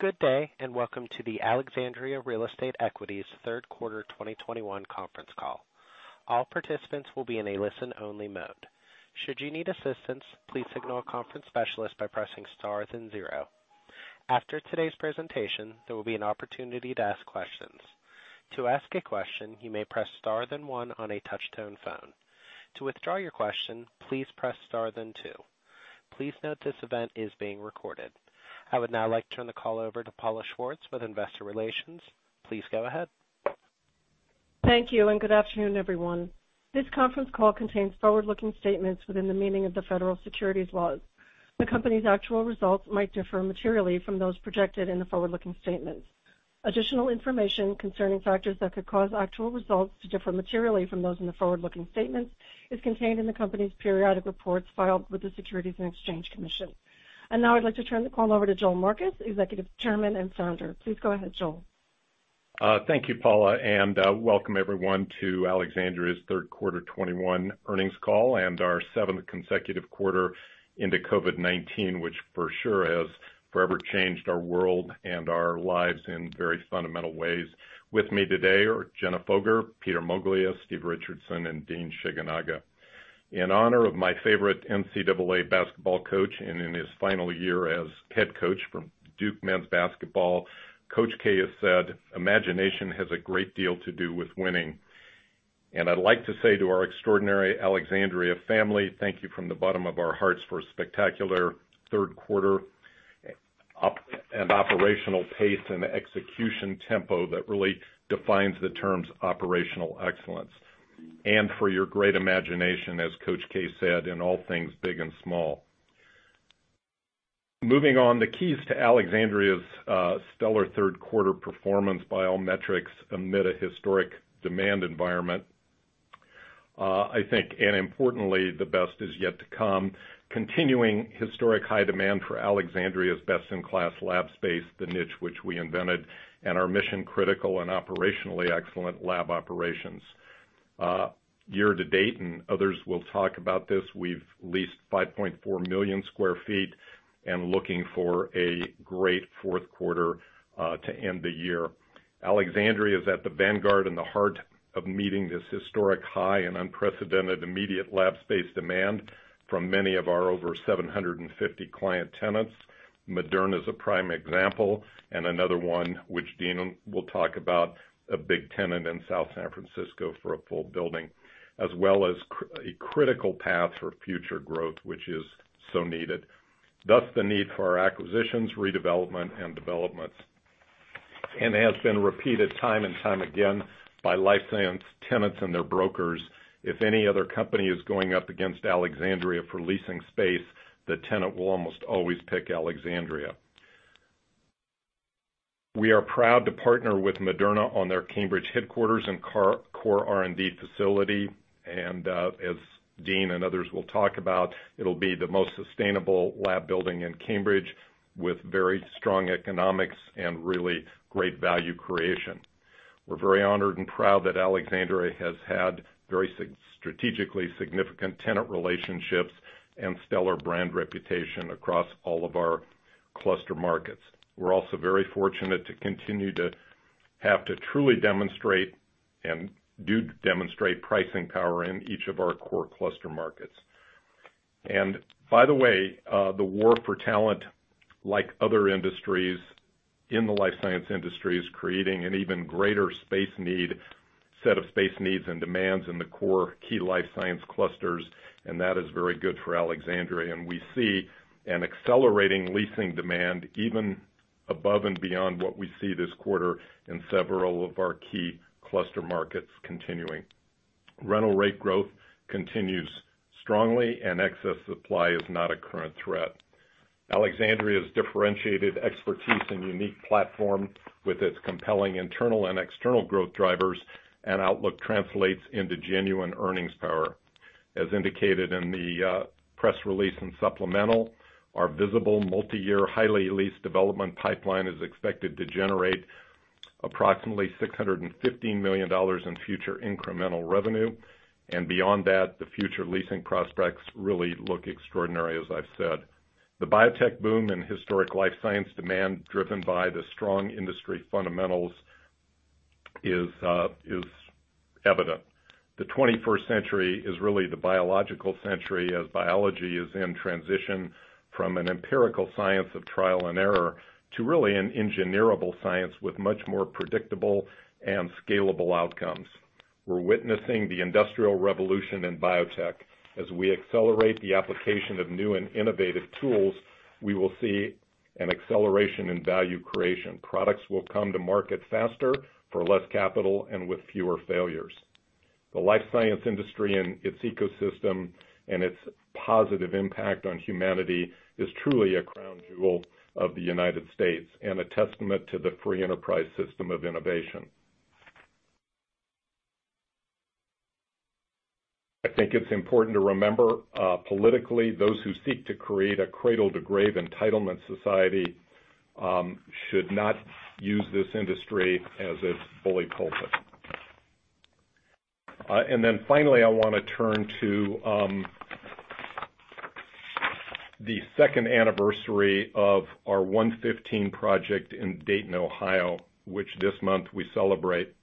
Good day, and welcome to the Alexandria Real Estate Equities third quarter 2021 conference call. All participants will be in a listen-only mode. Should you need assistance, please signal a conference specialist by pressing star then zero. After today's presentation, there will be an opportunity to ask questions. To ask a question, you may press star then one on a touchtone phone. To withdraw your question, please press star then two. Please note this event is being recorded. I would now like to turn the call over to Paula Schwartz with investor relations. Please go ahead. Thank you, and good afternoon, everyone. This conference call contains forward-looking statements within the meaning of the Federal Securities laws. The company's actual results might differ materially from those projected in the forward-looking statements. Additional information concerning factors that could cause actual results to differ materially from those in the forward-looking statements is contained in the company's periodic reports filed with the Securities and Exchange Commission. Now I'd like to turn the call over to Joel Marcus, Executive Chairman and Founder. Please go ahead, Joel. Thank you, Paula, and welcome everyone to Alexandria's third quarter 2021 earnings call and our seventh consecutive quarter into COVID-19, which for sure has forever changed our world and our lives in very fundamental ways. With me today are Jenna Foger, Peter Moglia, Steve Richardson, and Dean Shigenaga. In honor of my favorite NCAA basketball coach, and in his final year as head coach for Duke men's basketball, Coach K has said, "Imagination has a great deal to do with winning." I'd like to say to our extraordinary Alexandria family, thank you from the bottom of our hearts for a spectacular third quarter, an operational pace and execution tempo that really defines the terms operational excellence. For your great imagination, as Coach K said, in all things big and small. Moving on, the keys to Alexandria's stellar third quarter performance by all metrics amid a historic demand environment, I think, and importantly, the best is yet to come. Continuing historic high demand for Alexandria's best in class lab space, the niche which we invented, and our mission critical and operationally excellent lab operations. Year to date, and others will talk about this, we've leased 5.4 million sq ft and looking for a great fourth quarter to end the year. Alexandria is at the vanguard in the heart of meeting this historic high and unprecedented immediate lab space demand from many of our over 750 client tenants. Moderna is a prime example, and another one, which Dean will talk about, a big tenant in South San Francisco for a full building. As well as a critical path for future growth, which is so needed. Thus the need for our acquisitions, redevelopment, and developments. It has been repeated time and time again by life science tenants and their brokers. If any other company is going up against Alexandria for leasing space, the tenant will almost always pick Alexandria. We are proud to partner with Moderna on their Cambridge headquarters and core R&D facility. As Dean and others will talk about, it'll be the most sustainable lab building in Cambridge with very strong economics and really great value creation. We're very honored and proud that Alexandria has had very strategically significant tenant relationships and stellar brand reputation across all of our cluster markets. We're also very fortunate to continue to truly demonstrate pricing power in each of our core cluster markets. By the way, the war for talent, like other industries in the life science industry, is creating an even greater space need, set of space needs and demands in the core key life science clusters, and that is very good for Alexandria. We see an accelerating leasing demand even above and beyond what we see this quarter in several of our key cluster markets continuing. Rental rate growth continues strongly and excess supply is not a current threat. Alexandria's differentiated expertise and unique platform with its compelling internal and external growth drivers and outlook translates into genuine earnings power. As indicated in the press release and supplemental, our visible multi-year highly leased development pipeline is expected to generate approximately $650 million in future incremental revenue. Beyond that, the future leasing prospects really look extraordinary, as I've said. The biotech boom in historic life science demand driven by the strong industry fundamentals is evident. The 21st century is really the biological century, as biology is in transition from an empirical science of trial and error to really an engineerable science with much more predictable and scalable outcomes. We're witnessing the industrial revolution in biotech. As we accelerate the application of new and innovative tools, we will see an acceleration in value creation. Products will come to market faster, for less capital, and with fewer failures. The life science industry and its ecosystem and its positive impact on humanity is truly a crown jewel of the United States and a testament to the free enterprise system of innovation. I think it's important to remember, politically, those who seek to create a cradle to grave entitlement society, should not use this industry as its bully pulpit. Finally, I wanna turn to the second anniversary of our OneFifteen project in Dayton, Ohio, which this month we celebrate.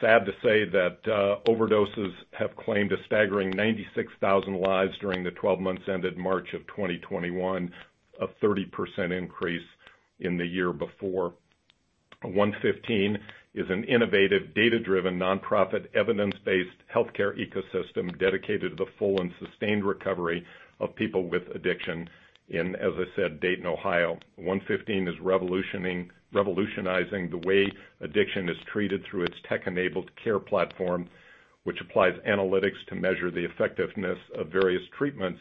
Sad to say that overdoses have claimed a staggering 96,000 lives during the twelve months ended March of 2021, a 30% increase in the year before. OneFifteen is an innovative, data-driven, nonprofit, evidence-based healthcare ecosystem dedicated to the full and sustained recovery of people with addiction in, as I said, Dayton, Ohio. OneFifteen is revolutionizing the way addiction is treated through its tech-enabled care platform, which applies analytics to measure the effectiveness of various treatments,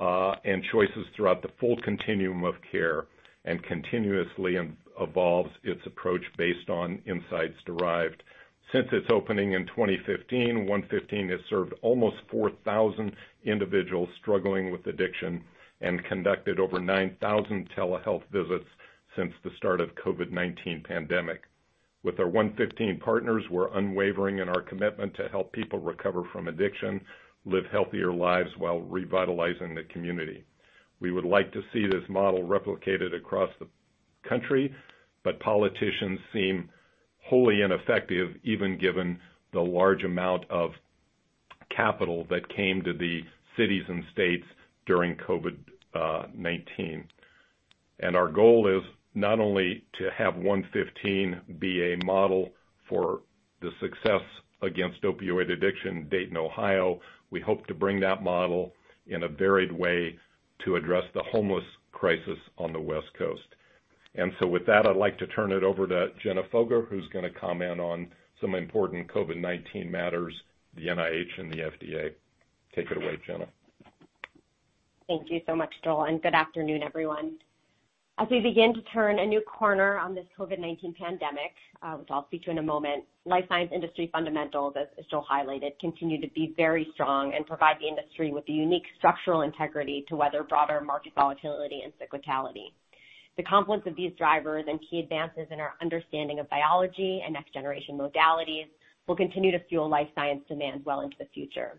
and choices throughout the full continuum of care, and continuously evolves its approach based on insights derived. Since its opening in 2015, OneFifteen has served almost 4,000 individuals struggling with addiction and conducted over 9,000 telehealth visits since the start of COVID-19 pandemic. With our OneFifteen partners, we're unwavering in our commitment to help people recover from addiction, live healthier lives while revitalizing the community. We would like to see this model replicated across the country, but politicians seem wholly ineffective, even given the large amount of capital that came to the cities and states during COVID-19. Our goal is not only to have OneFifteen be a model for the success against opioid addiction in Dayton, Ohio, we hope to bring that model in a varied way to address the homeless crisis on the West Coast. With that, I'd like to turn it over to Jenna Foger, who's gonna comment on some important COVID-19 matters, the NIH and the FDA. Take it away, Jenna. Thank you so much, Joel, and good afternoon, everyone. As we begin to turn a new corner on this COVID-19 pandemic, which I'll speak to in a moment, life science industry fundamentals, as Joel highlighted, continue to be very strong and provide the industry with the unique structural integrity to weather broader market volatility and cyclicality. The confluence of these drivers and key advances in our understanding of biology and next-generation modalities will continue to fuel life science demand well into the future.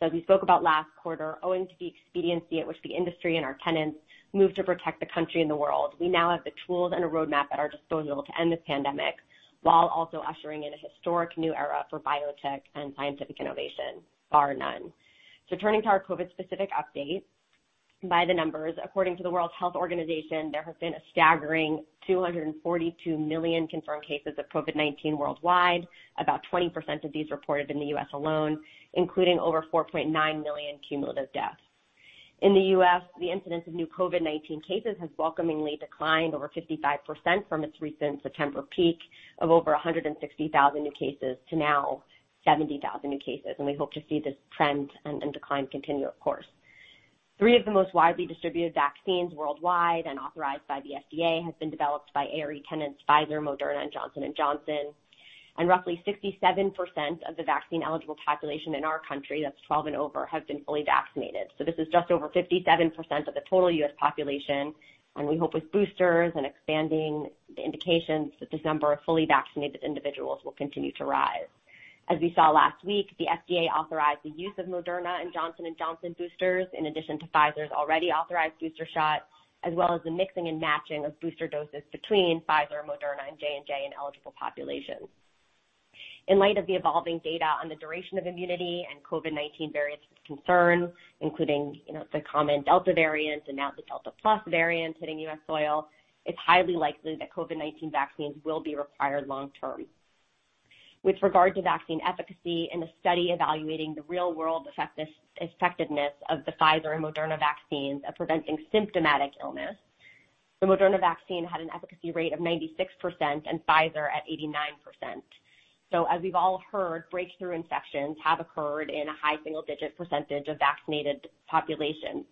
As we spoke about last quarter, owing to the expediency at which the industry and our tenants moved to protect the country and the world, we now have the tools and a roadmap at our disposal to end this pandemic while also ushering in a historic new era for biotech and scientific innovation, bar none. Turning to our COVID-specific updates, by the numbers, according to the World Health Organization, there has been a staggering 242 million confirmed cases of COVID-19 worldwide. About 20% of these reported in the U.S. alone, including over 4.9 million cumulative deaths. In the U.S., the incidence of new COVID-19 cases has welcomingly declined over 55% from its recent September peak of over 160,000 new cases to now 70,000 new cases, and we hope to see this trend decline continue, of course. Three of the most widely distributed vaccines worldwide and authorized by the FDA has been developed by ARE tenants Pfizer, Moderna, and Johnson & Johnson. Roughly 67% of the vaccine-eligible population in our country, that's 12 and over, have been fully vaccinated. This is just over 57% of the total U.S. population, and we hope with boosters and expanding the indications that this number of fully vaccinated individuals will continue to rise. As we saw last week, the FDA authorized the use of Moderna and Johnson & Johnson boosters in addition to Pfizer's already authorized booster shot, as well as the mixing and matching of booster doses between Pfizer, Moderna, and J&J in eligible populations. In light of the evolving data on the duration of immunity and COVID-19 variants of concern, including, you know, the common Delta variant and now the Delta Plus variant hitting U.S. soil, it's highly likely that COVID-19 vaccines will be required long term. With regard to vaccine efficacy, in a study evaluating the real-world effectiveness of the Pfizer and Moderna vaccines at preventing symptomatic illness, the Moderna vaccine had an efficacy rate of 96% and Pfizer at 89%. As we've all heard, breakthrough infections have occurred in a high single-digit of vaccinated population.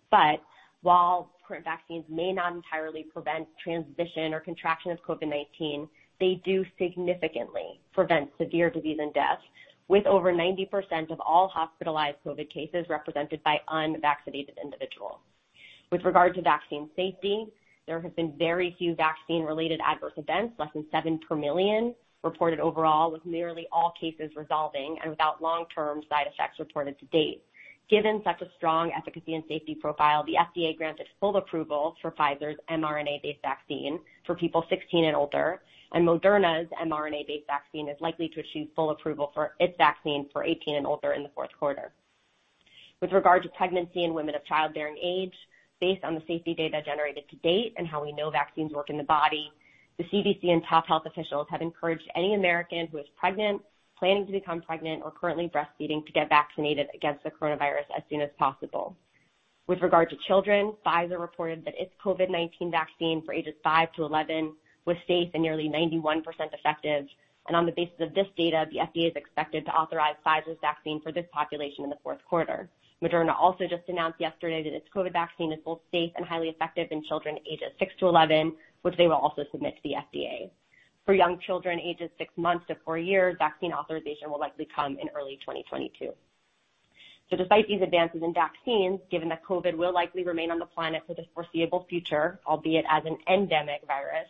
While current vaccines may not entirely prevent transmission or contraction of COVID-19, they do significantly prevent severe disease and deaths, with over 90% of all hospitalized COVID cases represented by unvaccinated individuals. With regard to vaccine safety, there have been very few vaccine-related adverse events, less than 7 per million reported overall, with nearly all cases resolving and without long-term side effects reported to date. Given such a strong efficacy and safety profile, the FDA granted full approval for Pfizer's mRNA-based vaccine for people 16 and older, and Moderna's mRNA-based vaccine is likely to achieve full approval for its vaccine for 18 and older in the fourth quarter. With regard to pregnancy in women of childbearing age, based on the safety data generated to date and how we know vaccines work in the body, the CDC and top health officials have encouraged any American who is pregnant, planning to become pregnant, or currently breastfeeding to get vaccinated against the coronavirus as soon as possible. With regard to children, Pfizer reported that its COVID-19 vaccine for ages five to 11 was safe and nearly 91% effective. On the basis of this data, the FDA is expected to authorize Pfizer's vaccine for this population in the fourth quarter. Moderna also just announced yesterday that its COVID-19 vaccine is both safe and highly effective in children ages 6-11, which they will also submit to the FDA. For young children ages six months to four years, vaccine authorization will likely come in early 2022. Despite these advances in vaccines, given that COVID-19 will likely remain on the planet for the foreseeable future, albeit as an endemic virus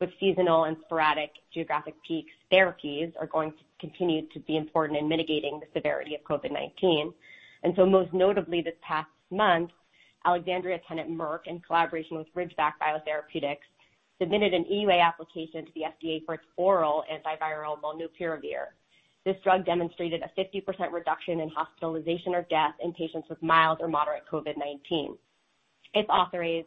with seasonal and sporadic geographic peaks, therapies are going to continue to be important in mitigating the severity of COVID-19. Most notably this past month, Alexandria tenant Merck, in collaboration with Ridgeback Biotherapeutics, submitted an EUA application to the FDA for its oral antiviral molnupiravir. This drug demonstrated a 50% reduction in hospitalization or death in patients with mild or moderate COVID-19. If authorized,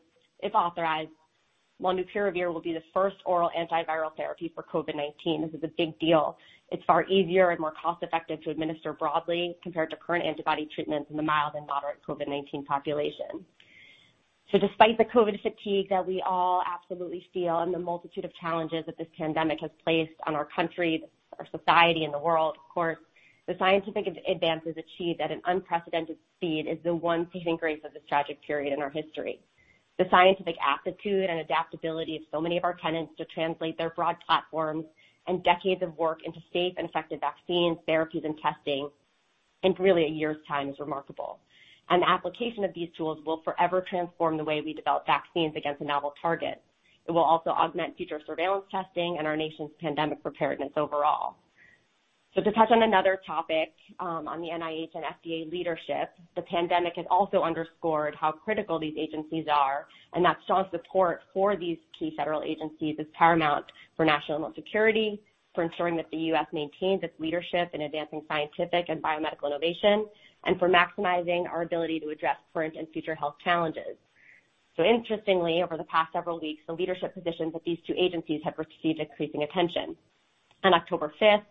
molnupiravir will be the first oral antiviral therapy for COVID-19. This is a big deal. It's far easier and more cost-effective to administer broadly compared to current antibody treatments in the mild and moderate COVID-19 population. Despite the COVID fatigue that we all absolutely feel and the multitude of challenges that this pandemic has placed on our country, our society, and the world, of course, the scientific advances achieved at an unprecedented speed is the one saving grace of this tragic period in our history. The scientific aptitude and adaptability of so many of our tenants to translate their broad platforms and decades of work into safe and effective vaccines, therapies, and testing in really a year's time is remarkable. The application of these tools will forever transform the way we develop vaccines against a novel target. It will also augment future surveillance testing and our nation's pandemic preparedness overall. To touch on another topic, on the NIH and FDA leadership, the pandemic has also underscored how critical these agencies are, and that strong support for these key federal agencies is paramount for national security, for ensuring that the U.S. maintains its leadership in advancing scientific and biomedical innovation, and for maximizing our ability to address current and future health challenges. Interestingly, over the past several weeks, the leadership positions at these two agencies have received increasing attention. On October 5th,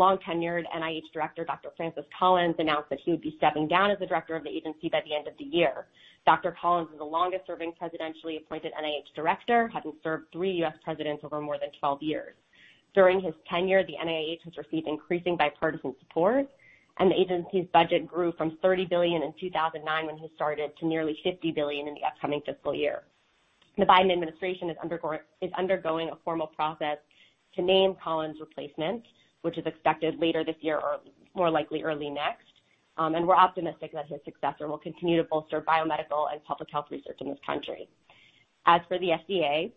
long-tenured NIH Director Dr. Francis Collins announced that he would be stepping down as the director of the agency by the end of the year. Dr. Collins is the longest-serving presidentially appointed NIH director, having served three U.S. presidents over more than 12 years. During his tenure, the NIH has received increasing bipartisan support, and the agency's budget grew from $30 billion in 2009 when he started, to nearly $50 billion in the upcoming fiscal year. The Biden administration is undergoing a formal process to name Collins' replacement, which is expected later this year or more likely early next. We're optimistic that his successor will continue to bolster biomedical and public health research in this country. As for the FDA,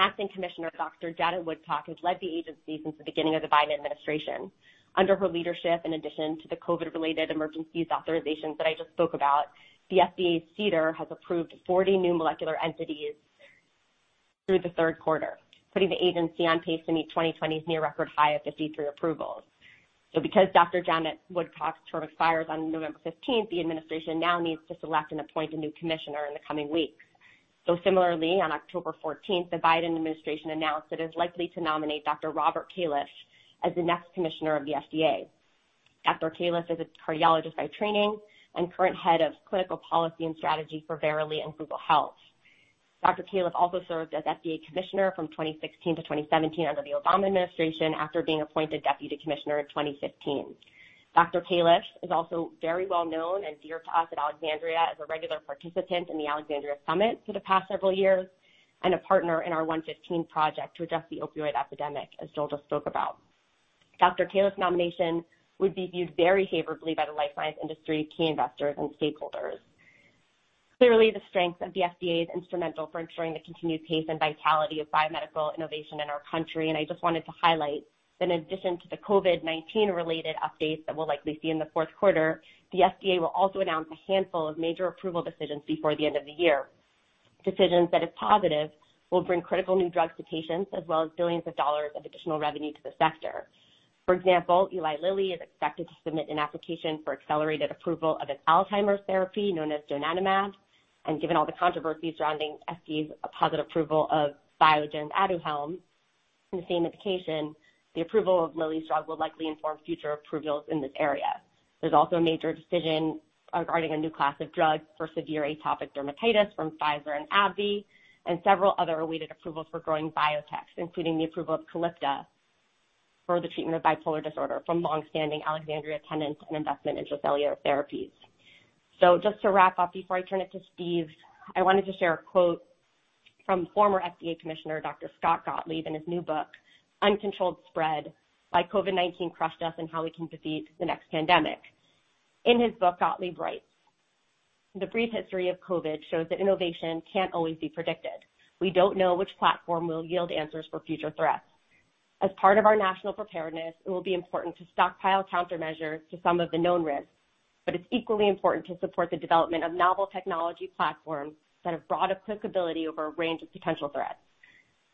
acting commissioner Dr. Janet Woodcock has led the agency since the beginning of the Biden administration. Under her leadership, in addition to the COVID-related emergencies authorizations that I just spoke about, the FDA's CDER has approved 40 new molecular entities through the third quarter, putting the agency on pace to meet 2020's near record high of 53 approvals. Because Dr. Janet Woodcock's term expires on November fifteenth. The administration now needs to select and appoint a new commissioner in the coming weeks. Similarly, on October fourteenth, the Biden administration announced it is likely to nominate Dr. Robert Califf as the next commissioner of the FDA. Dr. Califf is a cardiologist by training and current head of Clinical Policy and Strategy for Verily and Google Health. Dr. Califf also served as FDA commissioner from 2016 to 2017 under the Obama administration after being appointed deputy commissioner in 2015. Dr. Califf is also very well known and dear to us at Alexandria as a regular participant in the Alexandria Summit for the past several years and a partner in our OneFifteen project to address the opioid epidemic, as Joel just spoke about. Califf's nomination would be viewed very favorably by the life science industry, key investors, and stakeholders. Clearly, the strength of the FDA is instrumental for ensuring the continued pace and vitality of biomedical innovation in our country, and I just wanted to highlight that in addition to the COVID-19 related updates that we'll likely see in the fourth quarter, the FDA will also announce a handful of major approval decisions before the end of the year, decisions that, if positive, will bring critical new drugs to patients as well as billions of dollars of additional revenue to the sector. For example, Eli Lilly is expected to submit an application for accelerated approval of an Alzheimer's therapy known as donanemab. Given all the controversy surrounding FDA's positive approval of Biogen's Aduhelm for the same indication, the approval of Lilly's drug will likely inform future approvals in this area. There's also a major decision regarding a new class of drugs for severe atopic dermatitis from Pfizer and AbbVie, and several other awaited approvals for growing biotechs, including the approval of Caplyta for the treatment of bipolar disorder from longstanding Alexandria tenants and investment in Intra-Cellular Therapies. Just to wrap up before I turn it to Steve, I wanted to share a quote from former FDA commissioner Dr. Scott Gottlieb in his new book, Uncontrolled Spread: Why COVID-19 Crushed Us and How We Can Defeat the Next Pandemic. In his book, Gottlieb writes, "The brief history of COVID shows that innovation can't always be predicted. We don't know which platform will yield answers for future threats. As part of our national preparedness, it will be important to stockpile countermeasures to some of the known risks, but it's equally important to support the development of novel technology platforms that have broad applicability over a range of potential threats.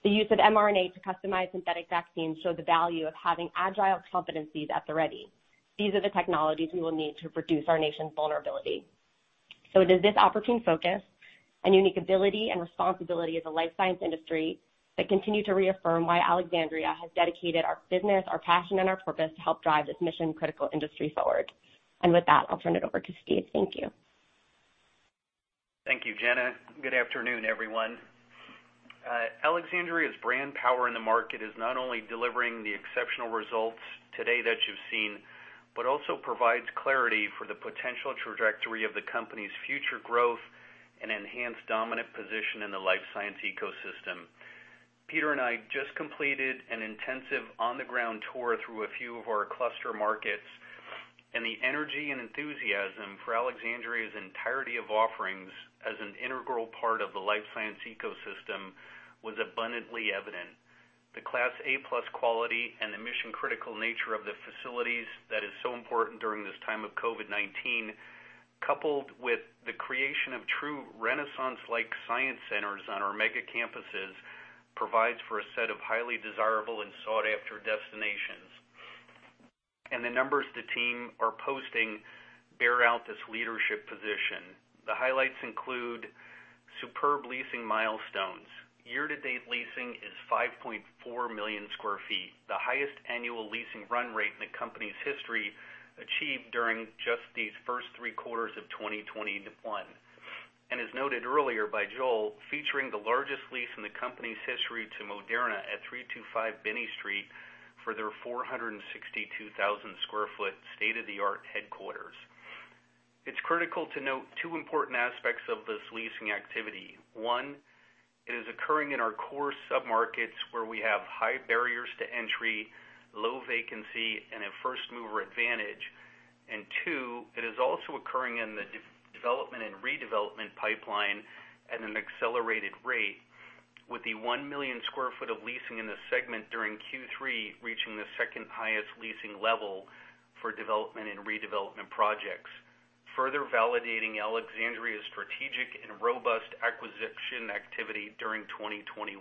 The use of mRNA to customize synthetic vaccines show the value of having agile competencies at the ready. These are the technologies we will need to reduce our nation's vulnerability. It is this opportune focus and unique ability and responsibility as a life science industry that continue to reaffirm why Alexandria has dedicated our business, our passion, and our purpose to help drive this mission-critical industry forward. With that, I'll turn it over to Steve. Thank you. Thank you, Jenna. Good afternoon, everyone. Alexandria's brand power in the market is not only delivering the exceptional results today that you've seen, but also provides clarity for the potential trajectory of the company's future growth and enhanced dominant position in the life science ecosystem. Peter and I just completed an intensive on-the-ground tour through a few of our cluster markets, and the energy and enthusiasm for Alexandria's entirety of offerings as an integral part of the life science ecosystem was abundantly evident. The Class A+ quality and the mission-critical nature of the facilities that is so important during this time of COVID-19, coupled with the creation of true renaissance-like science centers on our mega campuses, provides for a set of highly desirable and sought-after destinations. The numbers the team are posting bear out this leadership position. The highlights include superb leasing milestones. Year-to-date leasing is 5.4 million sq ft, the highest annual leasing run rate in the company's history achieved during just these first three quarters of 2021. As noted earlier by Joel, featuring the largest lease in the company's history to Moderna at 325 Binney Street for their 462,000 sq ft state-of-the-art headquarters. It's critical to note two important aspects of this leasing activity. One, it is occurring in our core submarkets where we have high barriers to entry, low vacancy, and a first-mover advantage. Two, it is also occurring in the development and redevelopment pipeline at an accelerated rate with the 1 million sq ft of leasing in the segment during Q3 reaching the second highest leasing level for development and redevelopment projects, further validating Alexandria's strategic and robust acquisition activity during 2021.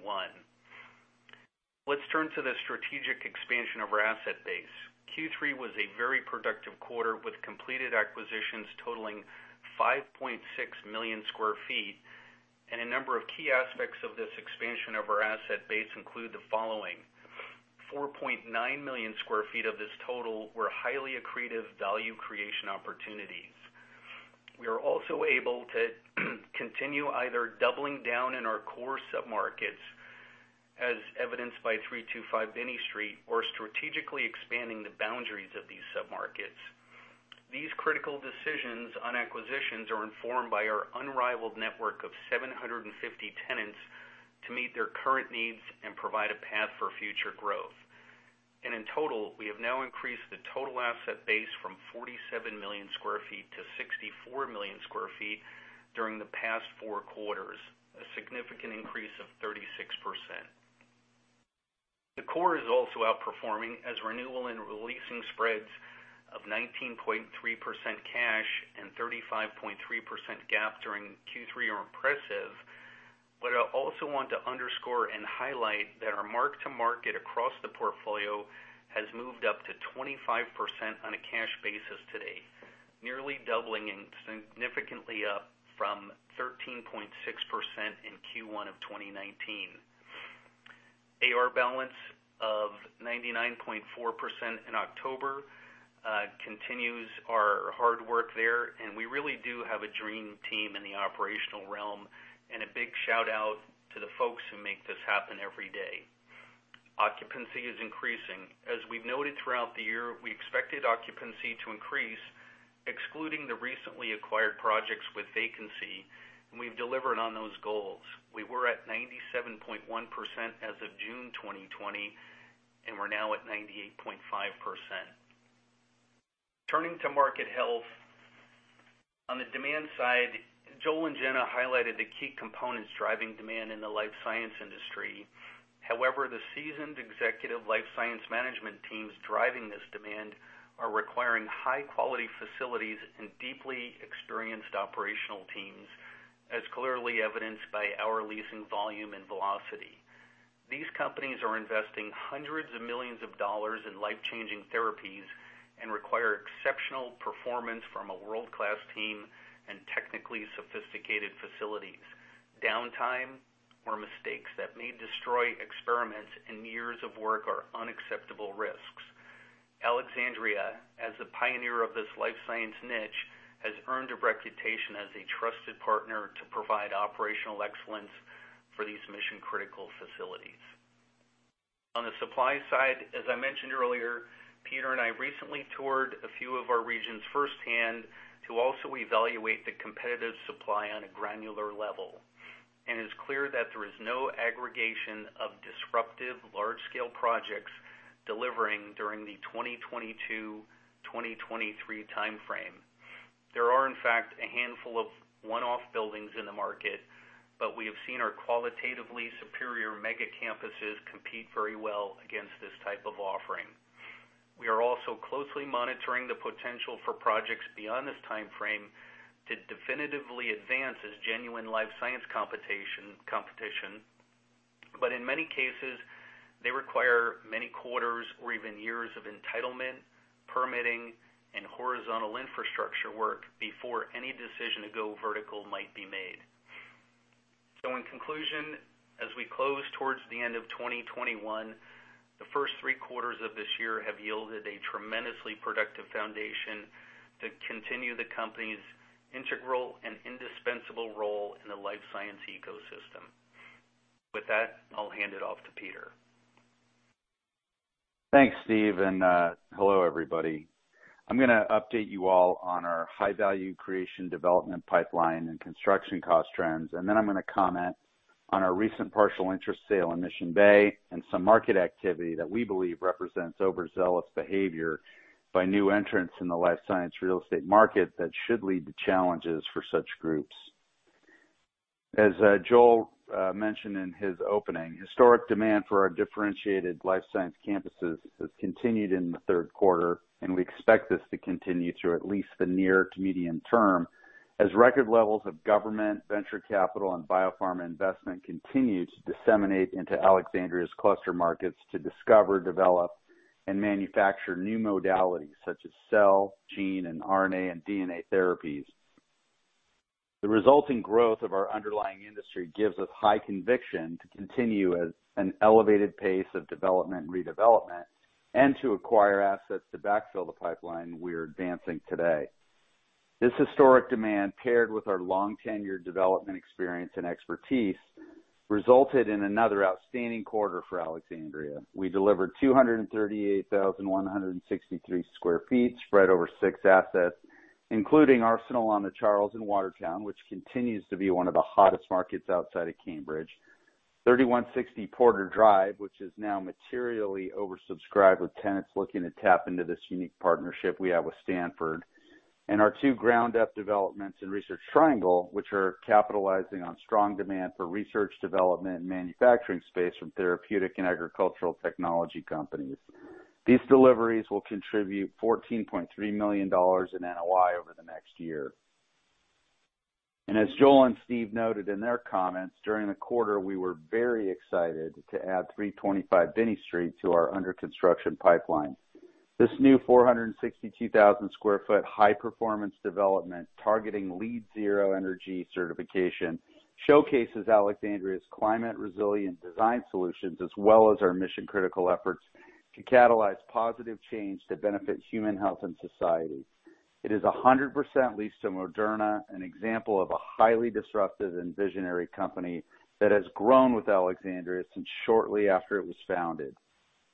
Let's turn to the strategic expansion of our asset base. Q3 was a very productive quarter with completed acquisitions totaling 5.6 million sq ft, and a number of key aspects of this expansion of our asset base include the following. 4.9 million sq ft of this total were highly accretive value creation opportunities. We are also able to continue either doubling down in our core submarkets as evidenced by 325 Binney Street, or strategically expanding the boundaries of these submarkets. These critical decisions on acquisitions are informed by our unrivaled network of 750 tenants to meet their current needs and provide a path for future growth. In total, we have now increased the total asset base from 47 million sq ft to 64 million sq ft during the past four quarters, a significant increase of 36%. The core is also outperforming as renewal and releasing spreads of 19.3% cash and 35.3% GAAP during Q3 are impressive. I also want to underscore and highlight that our mark-to-market across the portfolio has moved up to 25% on a cash basis today, nearly doubling and significantly up from 13.6% in Q1 of 2019. AR balance of 99.4% in October continues our hard work there, and we really do have a dream team in the operational realm, and a big shout out to the folks who make this happen every day. Occupancy is increasing. As we've noted throughout the year, we expected occupancy to increase, excluding the recently acquired projects with vacancy, and we've delivered on those goals. We were at 97.1% as of June 2020, and we're now at 98.5%. Turning to market health. On the demand side, Joel and Jenna highlighted the key components driving demand in the life science industry. However, the seasoned executive life science management teams driving this demand are requiring high quality facilities and deeply experienced operational teams, as clearly evidenced by our leasing volume and velocity. These companies are investing hundreds of millions of dollars in life-changing therapies and require exceptional performance from a world-class team and technically sophisticated facilities. Downtime or mistakes that may destroy experiments and years of work are unacceptable risks. Alexandria, as a pioneer of this life science niche, has earned a reputation as a trusted partner to provide operational excellence for these mission-critical facilities. On the supply side, as I mentioned earlier, Peter and I recently toured a few of our regions firsthand to also evaluate the competitive supply on a granular level. It's clear that there is no aggregation of disruptive large-scale projects delivering during the 2022, 2023 timeframe. There are in fact a handful of one-off buildings in the market, but we have seen our qualitatively superior mega campuses compete very well against this type of offering. We are also closely monitoring the potential for projects beyond this timeframe to definitively advance as genuine life science competition. In many cases, they require many quarters or even years of entitlement, permitting, and horizontal infrastructure work before any decision to go vertical might be made. In conclusion, as we close towards the end of 2021, the first three quarters of this year have yielded a tremendously productive foundation to continue the company's integral and indispensable role in the life science ecosystem. With that, I'll hand it off to Peter. Thanks, Steve, and hello everybody. I'm gonna update you all on our high value creation development pipeline and construction cost trends. Then I'm gonna comment on our recent partial interest sale in Mission Bay and some market activity that we believe represents overzealous behavior by new entrants in the life science real estate market that should lead to challenges for such groups. As Joel mentioned in his opening, historic demand for our differentiated life science campuses has continued in the third quarter, and we expect this to continue through at least the near to medium term as record levels of government, venture capital, and biopharma investment continue to disseminate into Alexandria's cluster markets to discover, develop, and manufacture new modalities such as cell, gene, and RNA and DNA therapies. The resulting growth of our underlying industry gives us high conviction to continue at an elevated pace of development and redevelopment and to acquire assets to backfill the pipeline we're advancing today. This historic demand, paired with our long-tenured development experience and expertise, resulted in another outstanding quarter for Alexandria. We delivered 238,163 sq ft spread over six assets, including Arsenal on the Charles in Watertown, which continues to be one of the hottest markets outside of Cambridge. 3160 Porter Drive, which is now materially oversubscribed with tenants looking to tap into this unique partnership we have with Stanford. Our 2 ground-up developments in Research Triangle, which are capitalizing on strong demand for research development and manufacturing space from therapeutic and agricultural technology companies. These deliveries will contribute $14.3 million in NOI over the next year. As Joel and Steve noted in their comments, during the quarter we were very excited to add 325 Binney Street to our under construction pipeline. This new 462,000 sq ft high performance development targeting LEED Zero energy certification showcases Alexandria's climate resilient design solutions, as well as our mission critical efforts to catalyze positive change that benefits human health and society. It is 100% leased to Moderna, an example of a highly disruptive and visionary company that has grown with Alexandria since shortly after it was founded.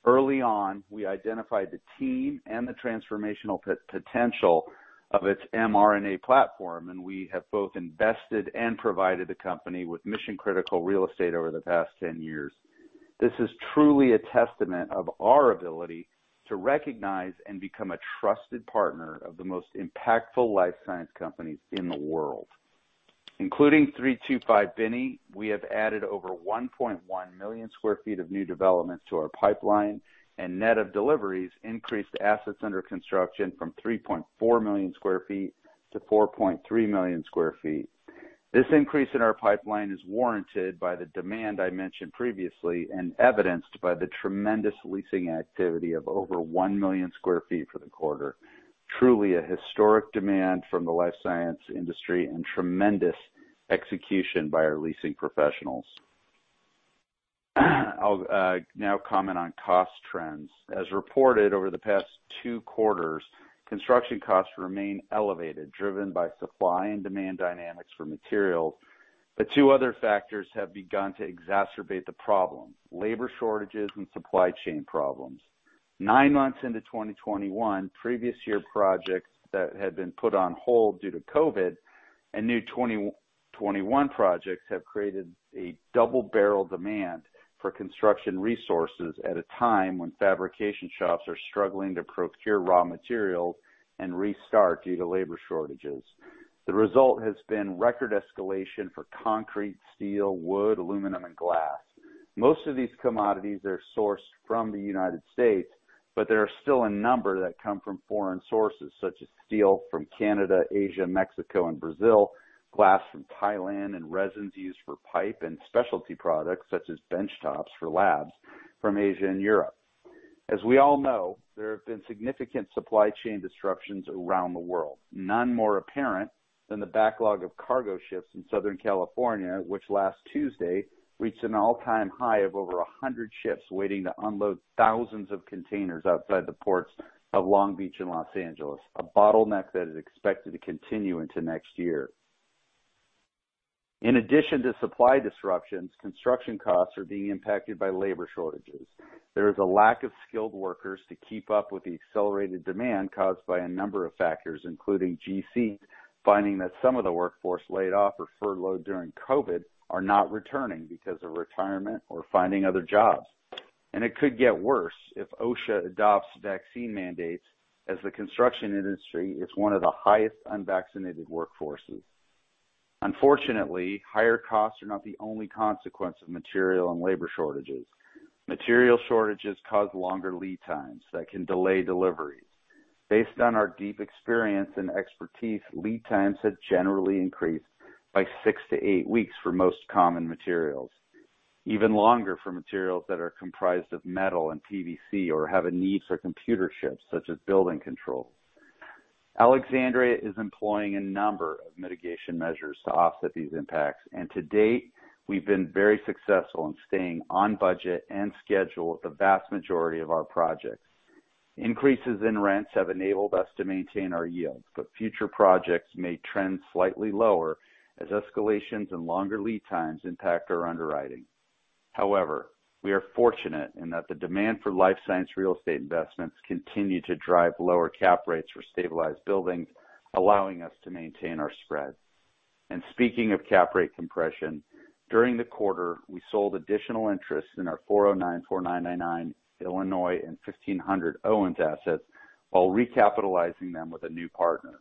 Early on, we identified the team and the transformational potential of its mRNA platform, and we have both invested and provided the company with mission-critical real estate over the past 10 years. This is truly a testament of our ability to recognize and become a trusted partner of the most impactful life science companies in the world. Including 325 Binney, we have added over 1.1 million sq ft of new developments to our pipeline, and net of deliveries increased assets under construction from 3.4 million sq ft to 4.3 million sq ft. This increase in our pipeline is warranted by the demand I mentioned previously and evidenced by the tremendous leasing activity of over 1 million sq ft for the quarter. Truly a historic demand from the life science industry and tremendous execution by our leasing professionals. I'll now comment on cost trends. As reported over the past two quarters, construction costs remain elevated, driven by supply and demand dynamics for materials, but two other factors have begun to exacerbate the problem, labor shortages and supply chain problems. Nine months into 2021, previous year projects that had been put on hold due to COVID and new 2021 projects have created a double barrel demand for construction resources at a time when fabrication shops are struggling to procure raw materials and restart due to labor shortages. The result has been record escalation for concrete, steel, wood, aluminum and glass. Most of these commodities are sourced from the United States, but there are still a number that come from foreign sources such as steel from Canada, Asia, Mexico and Brazil, glass from Thailand and resins used for pipe and specialty products such as benchtops for labs from Asia and Europe. As we all know, there have been significant supply chain disruptions around the world. None more apparent than the backlog of cargo ships in Southern California, which last Tuesday reached an all-time high of over 100 ships waiting to unload thousands of containers outside the ports of Long Beach and Los Angeles, a bottleneck that is expected to continue into next year. In addition to supply disruptions, construction costs are being impacted by labor shortages. There is a lack of skilled workers to keep up with the accelerated demand caused by a number of factors, including GCs finding that some of the workforce laid off or furloughed during COVID are not returning because of retirement or finding other jobs. It could get worse if OSHA adopts vaccine mandates, as the construction industry is one of the highest unvaccinated workforces. Unfortunately, higher costs are not the only consequence of material and labor shortages. Material shortages cause longer lead times that can delay deliveries. Based on our deep experience and expertise, lead times have generally increased by 6-8 weeks for most common materials. Even longer for materials that are comprised of metal and PVC or have a need for computer chips, such as building control. Alexandria is employing a number of mitigation measures to offset these impacts, and to date, we've been very successful in staying on budget and schedule with the vast majority of our projects. Increases in rents have enabled us to maintain our yields, but future projects may trend slightly lower as escalations and longer lead times impact our underwriting. However, we are fortunate in that the demand for life science real estate investments continue to drive lower cap rates for stabilized buildings, allowing us to maintain our spread. Speaking of cap rate compression, during the quarter, we sold additional interests in our 409, 499 Illinois and 1,500 Owens assets while recapitalizing them with a new partner.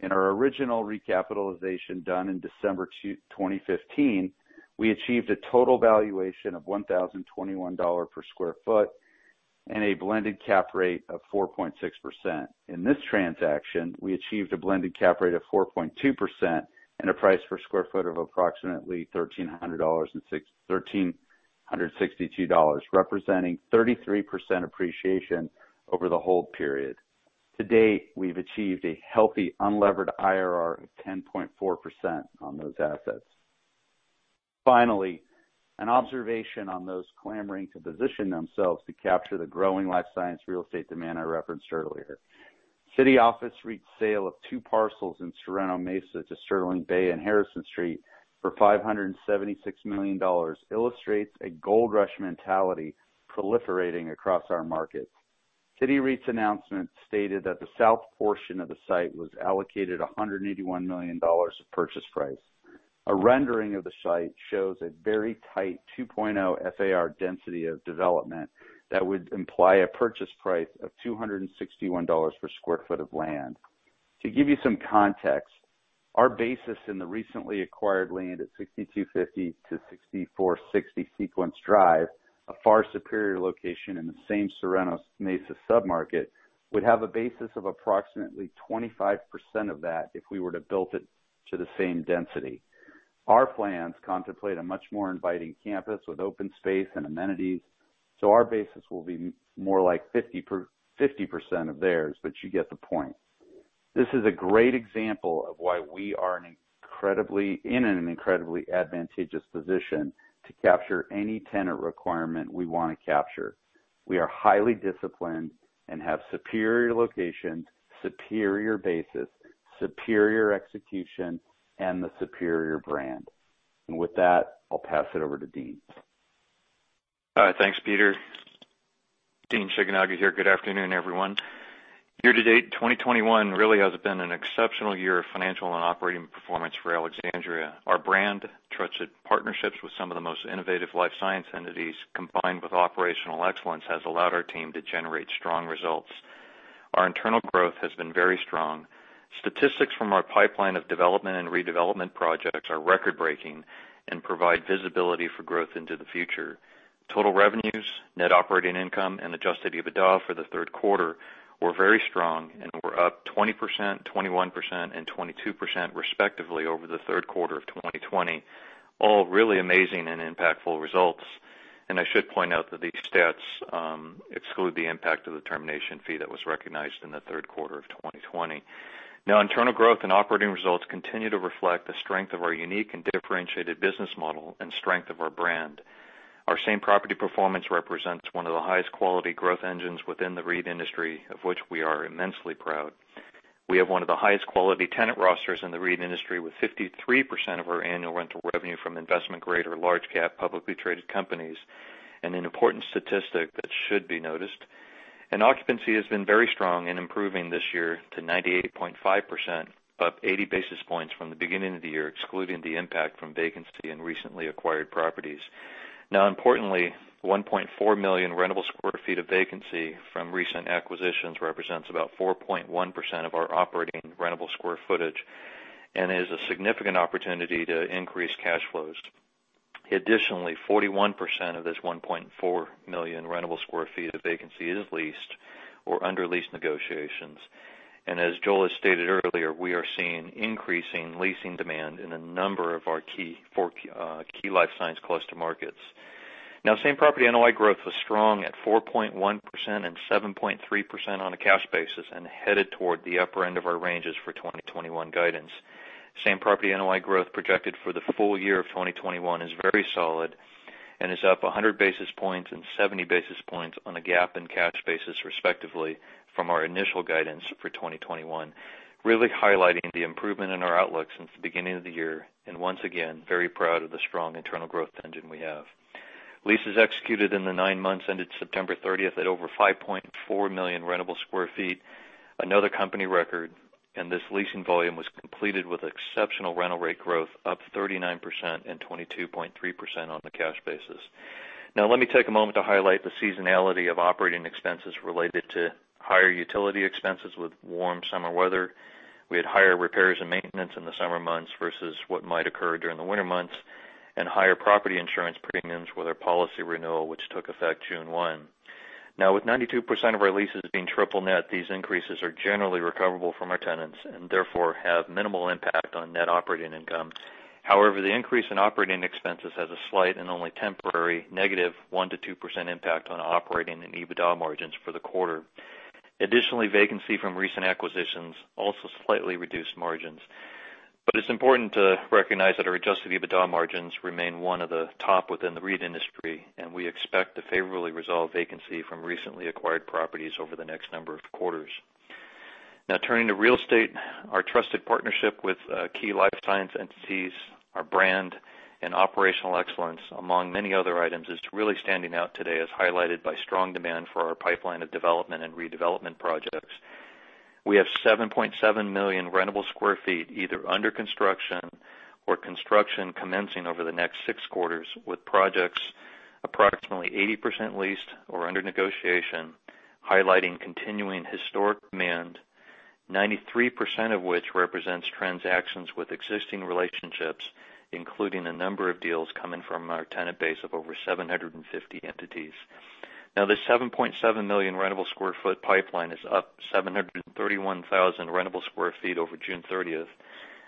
In our original recapitalization done in December twenty fifteen, we achieved a total valuation of $1,021 per sq ft and a blended cap rate of 4.6%. In this transaction, we achieved a blended cap rate of 4.2% and a price per sq ft of approximately $1,362, representing 33% appreciation over the hold period. To date, we've achieved a healthy unlevered IRR of 10.4% on those assets. Finally, an observation on those clamoring to position themselves to capture the growing life science real estate demand I referenced earlier. City Office REIT's sale of two parcels in Sorrento Mesa to Sterling Bay and Harrison Street for $576 million illustrates a gold rush mentality proliferating across our markets. City REIT's announcement stated that the south portion of the site was allocated $181 million of purchase price. A rendering of the site shows a very tight 2.0 FAR density of development that would imply a purchase price of $261 per sq ft of land. To give you some context, our basis in the recently acquired land at 6250-6460 Sequence Drive, a far superior location in the same Sorrento Mesa sub-market, would have a basis of approximately 25% of that if we were to build it to the same density. Our plans contemplate a much more inviting campus with open space and amenities, so our basis will be more like 50% of theirs, but you get the point. This is a great example of why we are in an incredibly advantageous position to capture any tenant requirement we wanna capture. We are highly disciplined and have superior locations, superior basis, superior execution, and the superior brand. With that, I'll pass it over to Dean. All right. Thanks, Peter. Dean Shigenaga here. Good afternoon, everyone. Year to date, 2021 really has been an exceptional year of financial and operating performance for Alexandria. Our branded trusted partnerships with some of the most innovative life science entities, combined with operational excellence, has allowed our team to generate strong results. Our internal growth has been very strong. Statistics from our pipeline of development and redevelopment projects are record-breaking and provide visibility for growth into the future. Total revenues, net operating income, and adjusted EBITDA for the third quarter were very strong and were up 20%, 21%, and 22% respectively over the third quarter of 2020, all really amazing and impactful results. I should point out that these stats exclude the impact of the termination fee that was recognized in the third quarter of 2020. Internal growth and operating results continue to reflect the strength of our unique and differentiated business model and strength of our brand. Our same property performance represents one of the highest quality growth engines within the REIT industry of which we are immensely proud. We have one of the highest quality tenant rosters in the REIT industry, with 53% of our annual rental revenue from investment-grade or large cap publicly traded companies, an important statistic that should be noticed. Occupancy has been very strong in improving this year to 98.5%, up 80 basis points from the beginning of the year, excluding the impact from vacancy in recently acquired properties. Importantly, 1.4 million sq ft rentable of vacancy from recent acquisitions represents about 4.1% of our operating rentable square foot and is a significant opportunity to increase cash flows. Additionally, 41% of this 1.4 million rentable square foot of vacancy is leased or under lease negotiations. As Joel has stated earlier, we are seeing increasing leasing demand in a number of our four key life science cluster markets. Same property NOI growth was strong at 4.1% and 7.3% on a cash basis and headed toward the upper end of our ranges for 2021 guidance. Same property NOI growth projected for the full year of 2021 is very solid and is up 100 basis points and 70 basis points on a GAAP and cash basis respectively from our initial guidance for 2021, really highlighting the improvement in our outlook since the beginning of the year, and once again, very proud of the strong internal growth engine we have. Leases executed in the nine months ended September 30 at over 5.4 million rentable square foot, another company record, and this leasing volume was completed with exceptional rental rate growth, up 39% and 22.3% on the cash basis. Now let me take a moment to highlight the seasonality of operating expenses related to higher utility expenses with warm summer weather. We had higher repairs and maintenance in the summer months versus what might occur during the winter months, and higher property insurance premiums with our policy renewal, which took effect June 1. Now with 92% of our leases being triple net, these increases are generally recoverable from our tenants and therefore have minimal impact on net operating income. However, the increase in operating expenses has a slight and only temporary negative 1%-2% impact on operating and EBITDA margins for the quarter. Additionally, vacancy from recent acquisitions also slightly reduced margins. It's important to recognize that our adjusted EBITDA margins remain one of the top within the REIT industry, and we expect to favorably resolve vacancy from recently acquired properties over the next number of quarters. Now turning to real estate, our trusted partnership with key life science entities, our brand and operational excellence, among many other items, is really standing out today as highlighted by strong demand for our pipeline of development and redevelopment projects. We have 7.7 million rentable square foot, either under construction or construction commencing over the next six quarters, with projects approximately 80% leased or under negotiation, highlighting continuing historic demand, 93% of which represents transactions with existing relationships, including a number of deals coming from our tenant base of over 750 entities. Now, the 7.7 million rentable sq ft pipeline is up 731,000 rentable sq ft over June 30,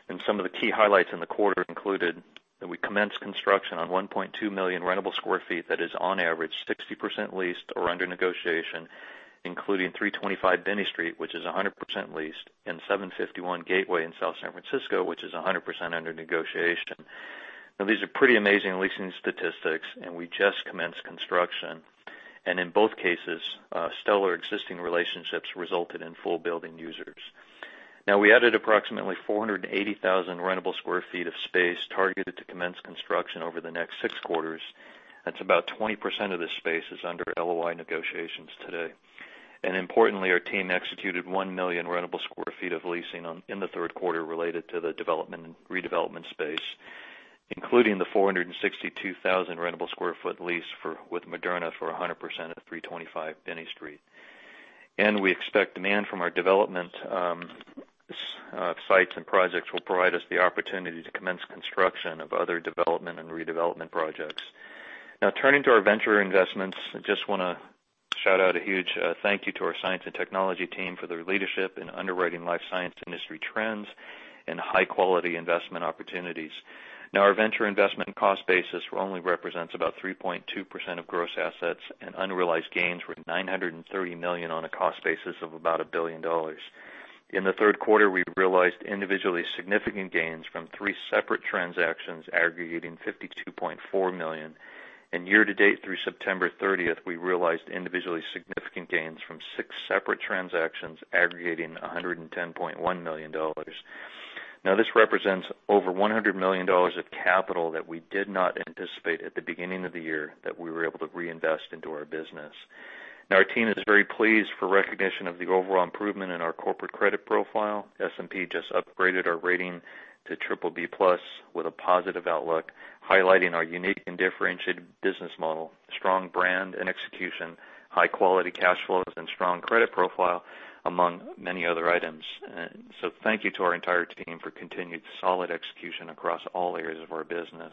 and some of the key highlights in the quarter included that we commenced construction on 1.2 million rentable sq ft that is on average 60% leased or under negotiation, including 325 Binney Street, which is 100% leased, and 751 Gateway in South San Francisco, which is 100% under negotiation. Now these are pretty amazing leasing statistics, and we just commenced construction. In both cases, stellar existing relationships resulted in full building users. Now we added approximately 480,000 rentable sq ft of space targeted to commence construction over the next six quarters. That's about 20% of this space is under LOI negotiations today. Importantly, our team executed 1 million rentable sq ft of leasing in the third quarter related to the development and redevelopment space, including the 462,000 rentable sq ft lease with Moderna for 100% at 325 Binney Street. We expect demand from our development sites and projects will provide us the opportunity to commence construction of other development and redevelopment projects. Now turning to our venture investments, I just wanna shout out a huge thank you to our science and technology team for their leadership in underwriting life science industry trends and high quality investment opportunities. Now our venture investment cost basis only represents about 3.2% of gross assets, and unrealized gains were $930 million on a cost basis of about $1 billion. In the third quarter, we realized individually significant gains from three separate transactions aggregating $52.4 million. Year to date through September 30, we realized individually significant gains from six separate transactions aggregating $110.1 million. Now this represents over $100 million of capital that we did not anticipate at the beginning of the year that we were able to reinvest into our business. Now our team is very pleased for recognition of the overall improvement in our corporate credit profile. S&P just upgraded our rating to BBB+ with a positive outlook, highlighting our unique and differentiated business model, strong brand and execution, high quality cash flows, and strong credit profile among many other items. Thank you to our entire team for continued solid execution across all areas of our business.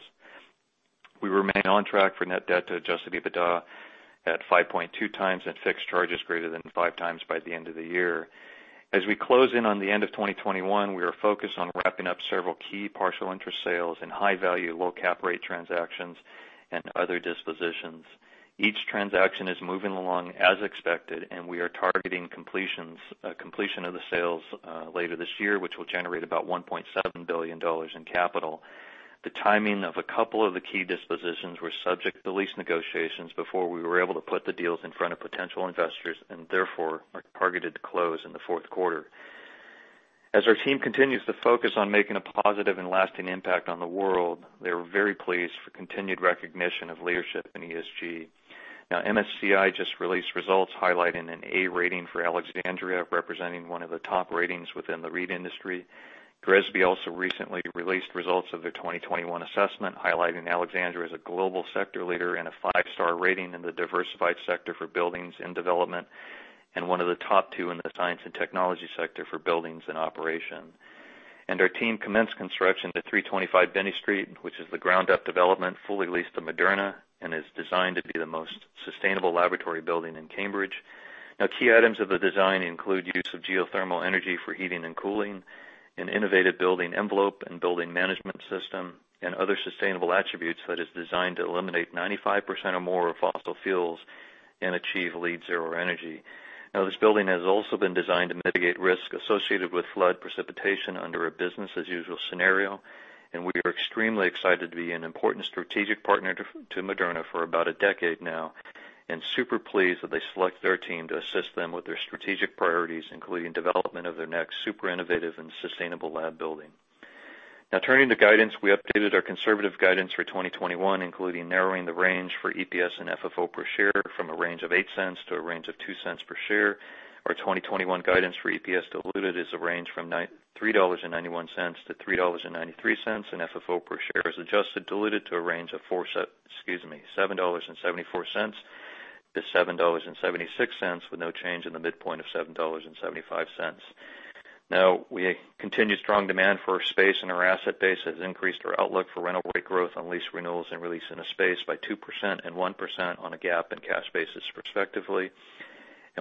We remain on track for net debt to adjusted EBITDA at 5.2x and fixed charges greater than 5x by the end of the year. As we close in on the end of 2021, we are focused on wrapping up several key partial interest sales and high value, low cap rate transactions and other dispositions. Each transaction is moving along as expected, and we are targeting completion of the sales later this year, which will generate about $1.7 billion in capital. The timing of a couple of the key dispositions were subject to lease negotiations before we were able to put the deals in front of potential investors, and therefore, are targeted to close in the fourth quarter. As our team continues to focus on making a positive and lasting impact on the world, they were very pleased for continued recognition of leadership in ESG. Now MSCI just released results highlighting an A rating for Alexandria, representing one of the top ratings within the REIT industry. GRESB also recently released results of their 2021 assessment, highlighting Alexandria as a global sector leader and a five-star rating in the diversified sector for buildings and development, and one of the top two in the science and technology sector for buildings and operation. Our team commenced construction at 325 Binney Street, which is the ground up development fully leased to Moderna and is designed to be the most sustainable laboratory building in Cambridge. Now key items of the design include use of geothermal energy for heating and cooling, an innovative building envelope and building management system, and other sustainable attributes that is designed to eliminate 95% or more of fossil fuels and achieve LEED Zero energy. This building has also been designed to mitigate risk associated with flood precipitation under a business as usual scenario, and we are extremely excited to be an important strategic partner to Moderna for about a decade now, and super pleased that they select our team to assist them with their strategic priorities, including development of their next super innovative and sustainable lab building. Turning to guidance, we updated our conservative guidance for 2021, including narrowing the range for EPS and FFO per share from a range of $0.08 to a range of $0.02 per share. Our 2021 guidance for EPS diluted is a range from $3.91-$3.93, and FFO per share is adjusted diluted to a range of $7.74-$7.76 with no change in the midpoint of $7.75. Now continued strong demand for space in our asset base has increased our outlook for rental rate growth on lease renewals and re-lease in a space by 2% and 1% on a GAAP and cash basis respectively.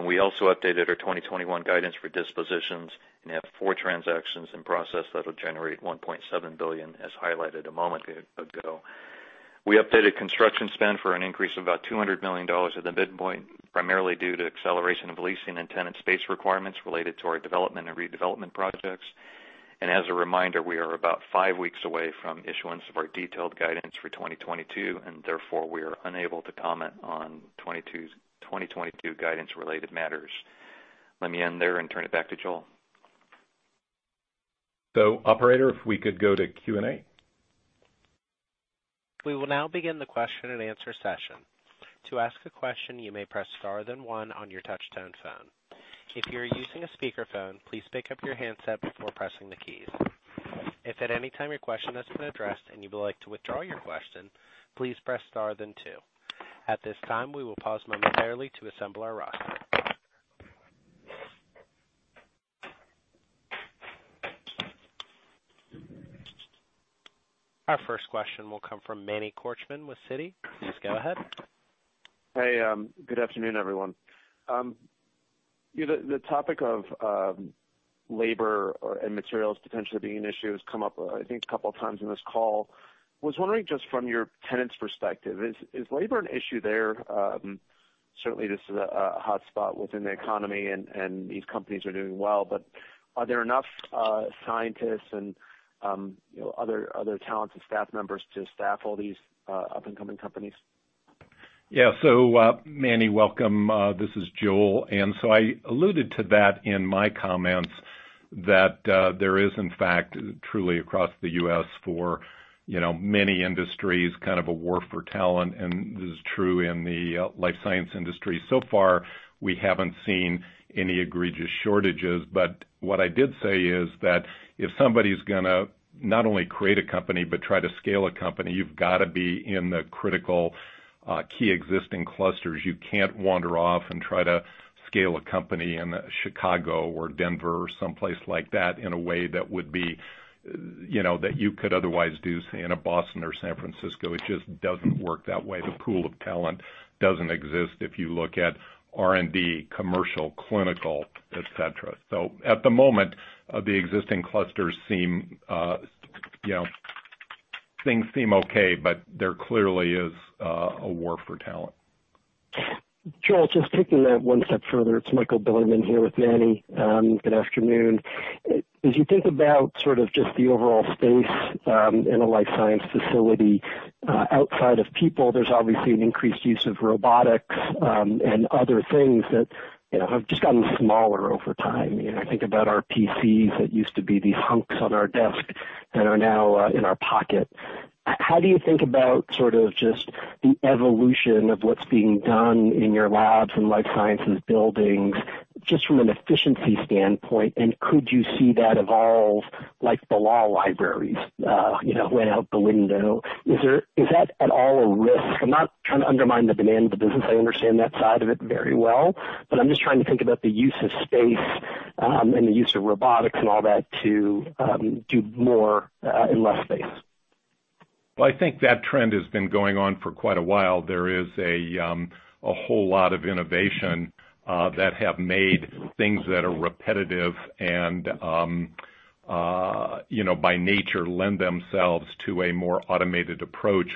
We also updated our 2021 guidance for dispositions and have four transactions in process that'll generate $1.7 billion as highlighted a moment ago. We updated construction spend for an increase of about $200 million at the midpoint, primarily due to acceleration of leasing and tenant space requirements related to our development and redevelopment projects. As a reminder, we are about five weeks away from issuance of our detailed guidance for 2022, and therefore, we are unable to comment on 2022 guidance related matters. Let me end there and turn it back to Joel. Operator, if we could go to Q&A. We will now begin the question-and-answer session. To ask a question, you may press star then one on your touchtone phone. If you are using a speakerphone, please pick up your handset before pressing the keys. If at any time your question has been addressed and you would like to withdraw your question, please press star then two. At this time, we will pause momentarily to assemble our roster. Our first question will come from Manny Korchman with Citi. Please go ahead. Hey, good afternoon, everyone. You know, the topic of labor and materials potentially being an issue has come up, I think a couple of times in this call. I was wondering, just from your tenants' perspective, is labor an issue there? Certainly this is a hotspot within the economy and these companies are doing well. Are there enough scientists and you know other talented staff members to staff all these up and coming companies? Yeah. Manny, welcome. This is Joel. I alluded to that in my comments that there is in fact truly across the U.S. for, you know, many industries, kind of a war for talent, and this is true in the life science industry. So far, we haven't seen any egregious shortages. What I did say is that if somebody's gonna not only create a company but try to scale a company, you've gotta be in the critical key existing clusters. You can't wander off and try to scale a company in Chicago or Denver or someplace like that in a way that would be, you know, that you could otherwise do, say, in a Boston or San Francisco. It just doesn't work that way. The pool of talent doesn't exist if you look at R&D, commercial, clinical, et cetera. At the moment, the existing clusters seem, you know, things seem okay, but there clearly is a war for talent. Joel, just taking that one step further. It's Michael Bilerman here with Manny. Good afternoon. As you think about sort of just the overall space in a life science facility, outside of people, there's obviously an increased use of robotics and other things that, you know, have just gotten smaller over time. You know, I think about our PCs that used to be these hunks on our desk that are now in our pocket. How do you think about sort of just the evolution of what's being done in your labs and life sciences buildings, just from an efficiency standpoint, and could you see that evolve like the law libraries, you know, went out the window? Is that at all a risk? I'm not trying to undermine the demand of the business. I understand that side of it very well, but I'm just trying to think about the use of space, and the use of robotics and all that to do more in less space. Well, I think that trend has been going on for quite a while. There is a whole lot of innovation that have made things that are repetitive and, you know, by nature, lend themselves to a more automated approach.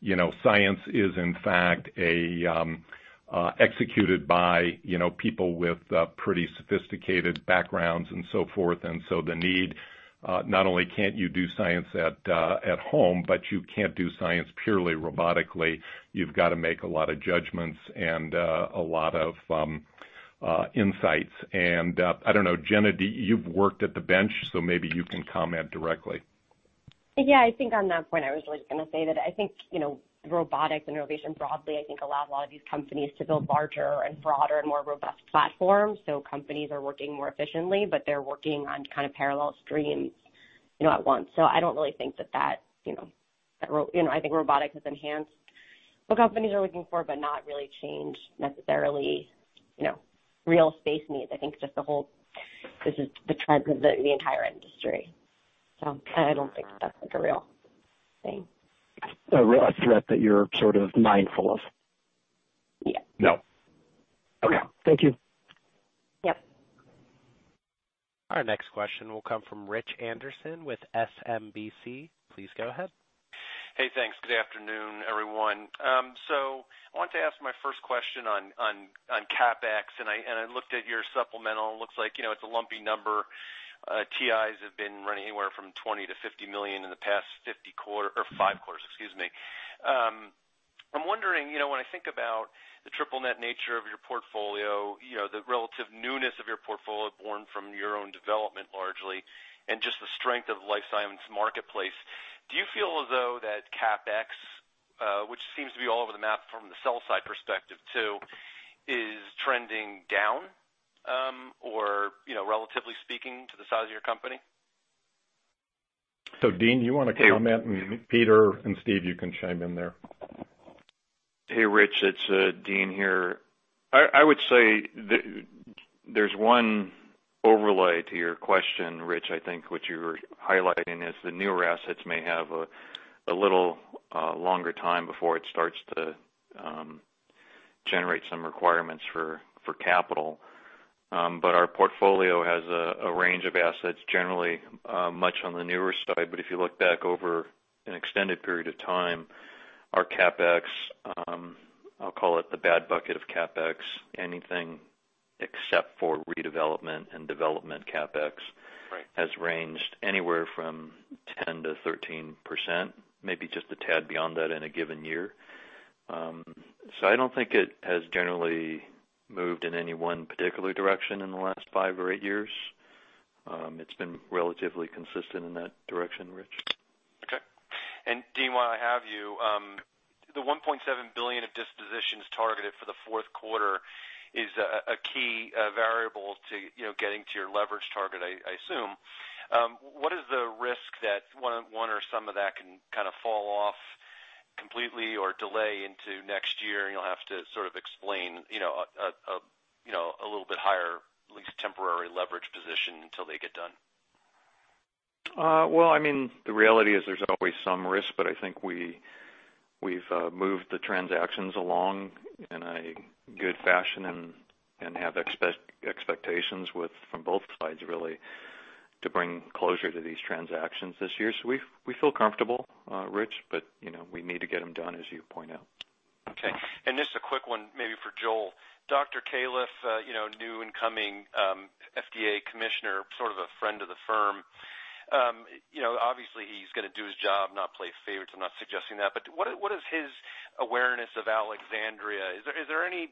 You know, science is in fact executed by people with pretty sophisticated backgrounds and so forth. The need not only can't you do science at home, but you can't do science purely robotically. You've gotta make a lot of judgments and a lot of insights. I don't know, Jenna. Do you? You've worked at the bench, so maybe you can comment directly. Yeah, I think on that point, I was really just gonna say that I think, you know, robotics and innovation broadly, I think allow a lot of these companies to build larger and broader and more robust platforms. Companies are working more efficiently, but they're working on kind of parallel streams, you know, at once. I don't really think that, you know. You know, I think robotics has enhanced what companies are looking for, but not really changed necessarily, you know, real space needs. I think just the whole, this is the trend of the entire industry. I don't think that's like a real thing. A threat that you're sort of mindful of. Yeah. No. Okay. Thank you. Yep. Our next question will come from Rich Anderson with SMBC. Please go ahead. Hey, thanks. Good afternoon, everyone. I want to ask my first question on CapEx, and I looked at your supplemental. It looks like, you know, it's a lumpy number. TIs have been running anywhere from $20 million-$50 million in the past five quarters, excuse me. I'm wondering, you know, when I think about the triple net nature of your portfolio, you know, the relative newness of your portfolio born from your own development largely, and just the strength of the life science marketplace, do you feel as though that CapEx, which seems to be all over the map from the sell side perspective too, is trending down, or, you know, relatively speaking to the size of your company? Dean, you wanna comment? Peter and Steve, you can chime in there. Hey, Rich, it's Dean here. I would say there's one overlay to your question, Rich. I think what you were highlighting is the newer assets may have a little longer time before it starts to generate some requirements for capital. Our portfolio has a range of assets, generally much on the newer side. If you look back over an extended period of time, our CapEx, I'll call it the bad bucket of CapEx, anything except for redevelopment and development CapEx. Right It has ranged anywhere from 10%-13%, maybe just a tad beyond that in a given year. I don't think it has generally moved in any one particular direction in the last five or eight years. It's been relatively consistent in that direction, Rich. Okay. Dean, while I have you, the $1.7 billion of dispositions targeted for the fourth quarter is a key variable to, you know, getting to your leverage target, I assume. What is the risk that one or some of that can kind of fall off completely or delay into next year, and you'll have to sort of explain, you know, a little bit higher, at least temporary leverage position until they get done? Well, I mean, the reality is there's always some risk, but I think we've moved the transactions along in a good fashion and have expectations from both sides, really, to bring closure to these transactions this year. We feel comfortable, Rich, but you know, we need to get them done, as you point out. Okay. Just a quick one maybe for Joel. Dr. Robert Califf, you know, new incoming FDA commissioner, sort of a friend of the firm. You know, obviously he's gonna do his job, not play favorites. I'm not suggesting that, but what is his awareness of Alexandria? Is there any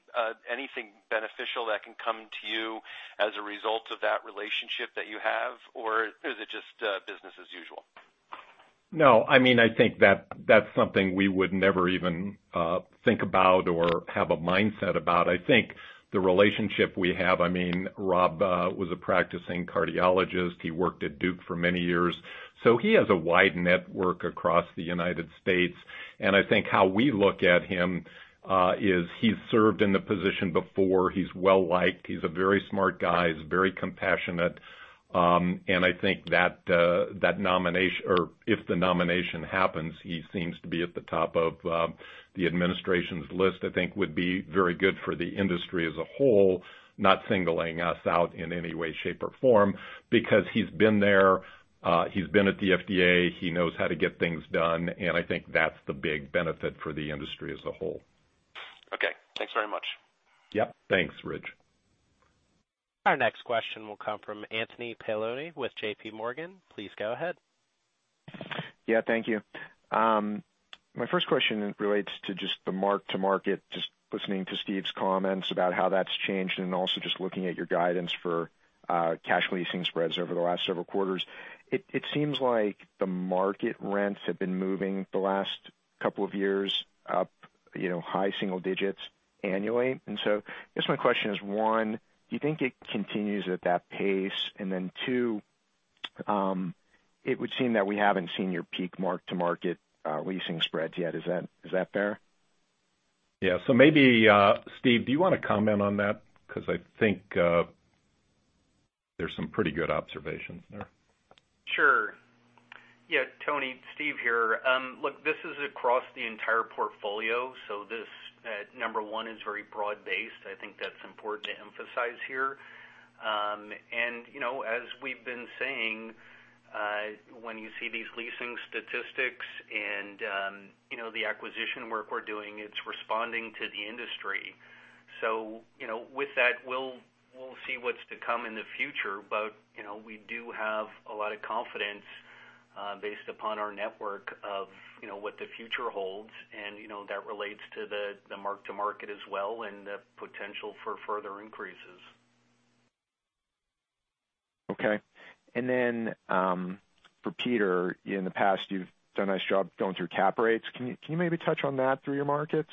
anything beneficial that can come to you as a result of that relationship that you have? Or is it just business as usual? No, I mean, I think that that's something we would never even think about or have a mindset about. I think the relationship we have, I mean, Rob was a practicing cardiologist. He worked at Duke for many years, so he has a wide network across the United States. I think how we look at him is he's served in the position before. He's well-liked. He's a very smart guy. He's very compassionate. I think that that nomination or if the nomination happens, he seems to be at the top of the administration's list. I think would be very good for the industry as a whole, not singling us out in any way, shape, or form, because he's been there, he's been at the FDA. He knows how to get things done, and I think that's the big benefit for the industry as a whole. Okay, thanks very much. Yep. Thanks, Rich. Our next question will come from Anthony Paolone with J.P. Morgan. Please go ahead. Yeah, thank you. My first question relates to just the mark-to-market, just listening to Steve's comments about how that's changed and also just looking at your guidance for cash leasing spreads over the last several quarters. It seems like the market rents have been moving the last couple of years up, you know, high single digits annually. I guess my question is, one, do you think it continues at that pace? Two, it would seem that we haven't seen your peak mark-to-market leasing spreads yet. Is that fair? Yeah. Maybe, Steve, do you wanna comment on that? 'Cause I think, there's some pretty good observations there. Sure. Yeah, Tony, Steve here. Look, this is across the entire portfolio. This, number one is very broad-based. I think that's important to emphasize here. You know, as we've been saying, when you see these leasing statistics and, you know, the acquisition work we're doing, it's responding to the industry. You know, with that, we'll see what's to come in the future. You know, we do have a lot of confidence, based upon our network of, you know, what the future holds. You know, that relates to the mark-to-market as well and the potential for further increases. Okay. For Peter, in the past, you've done a nice job going through cap rates. Can you maybe touch on that through your markets?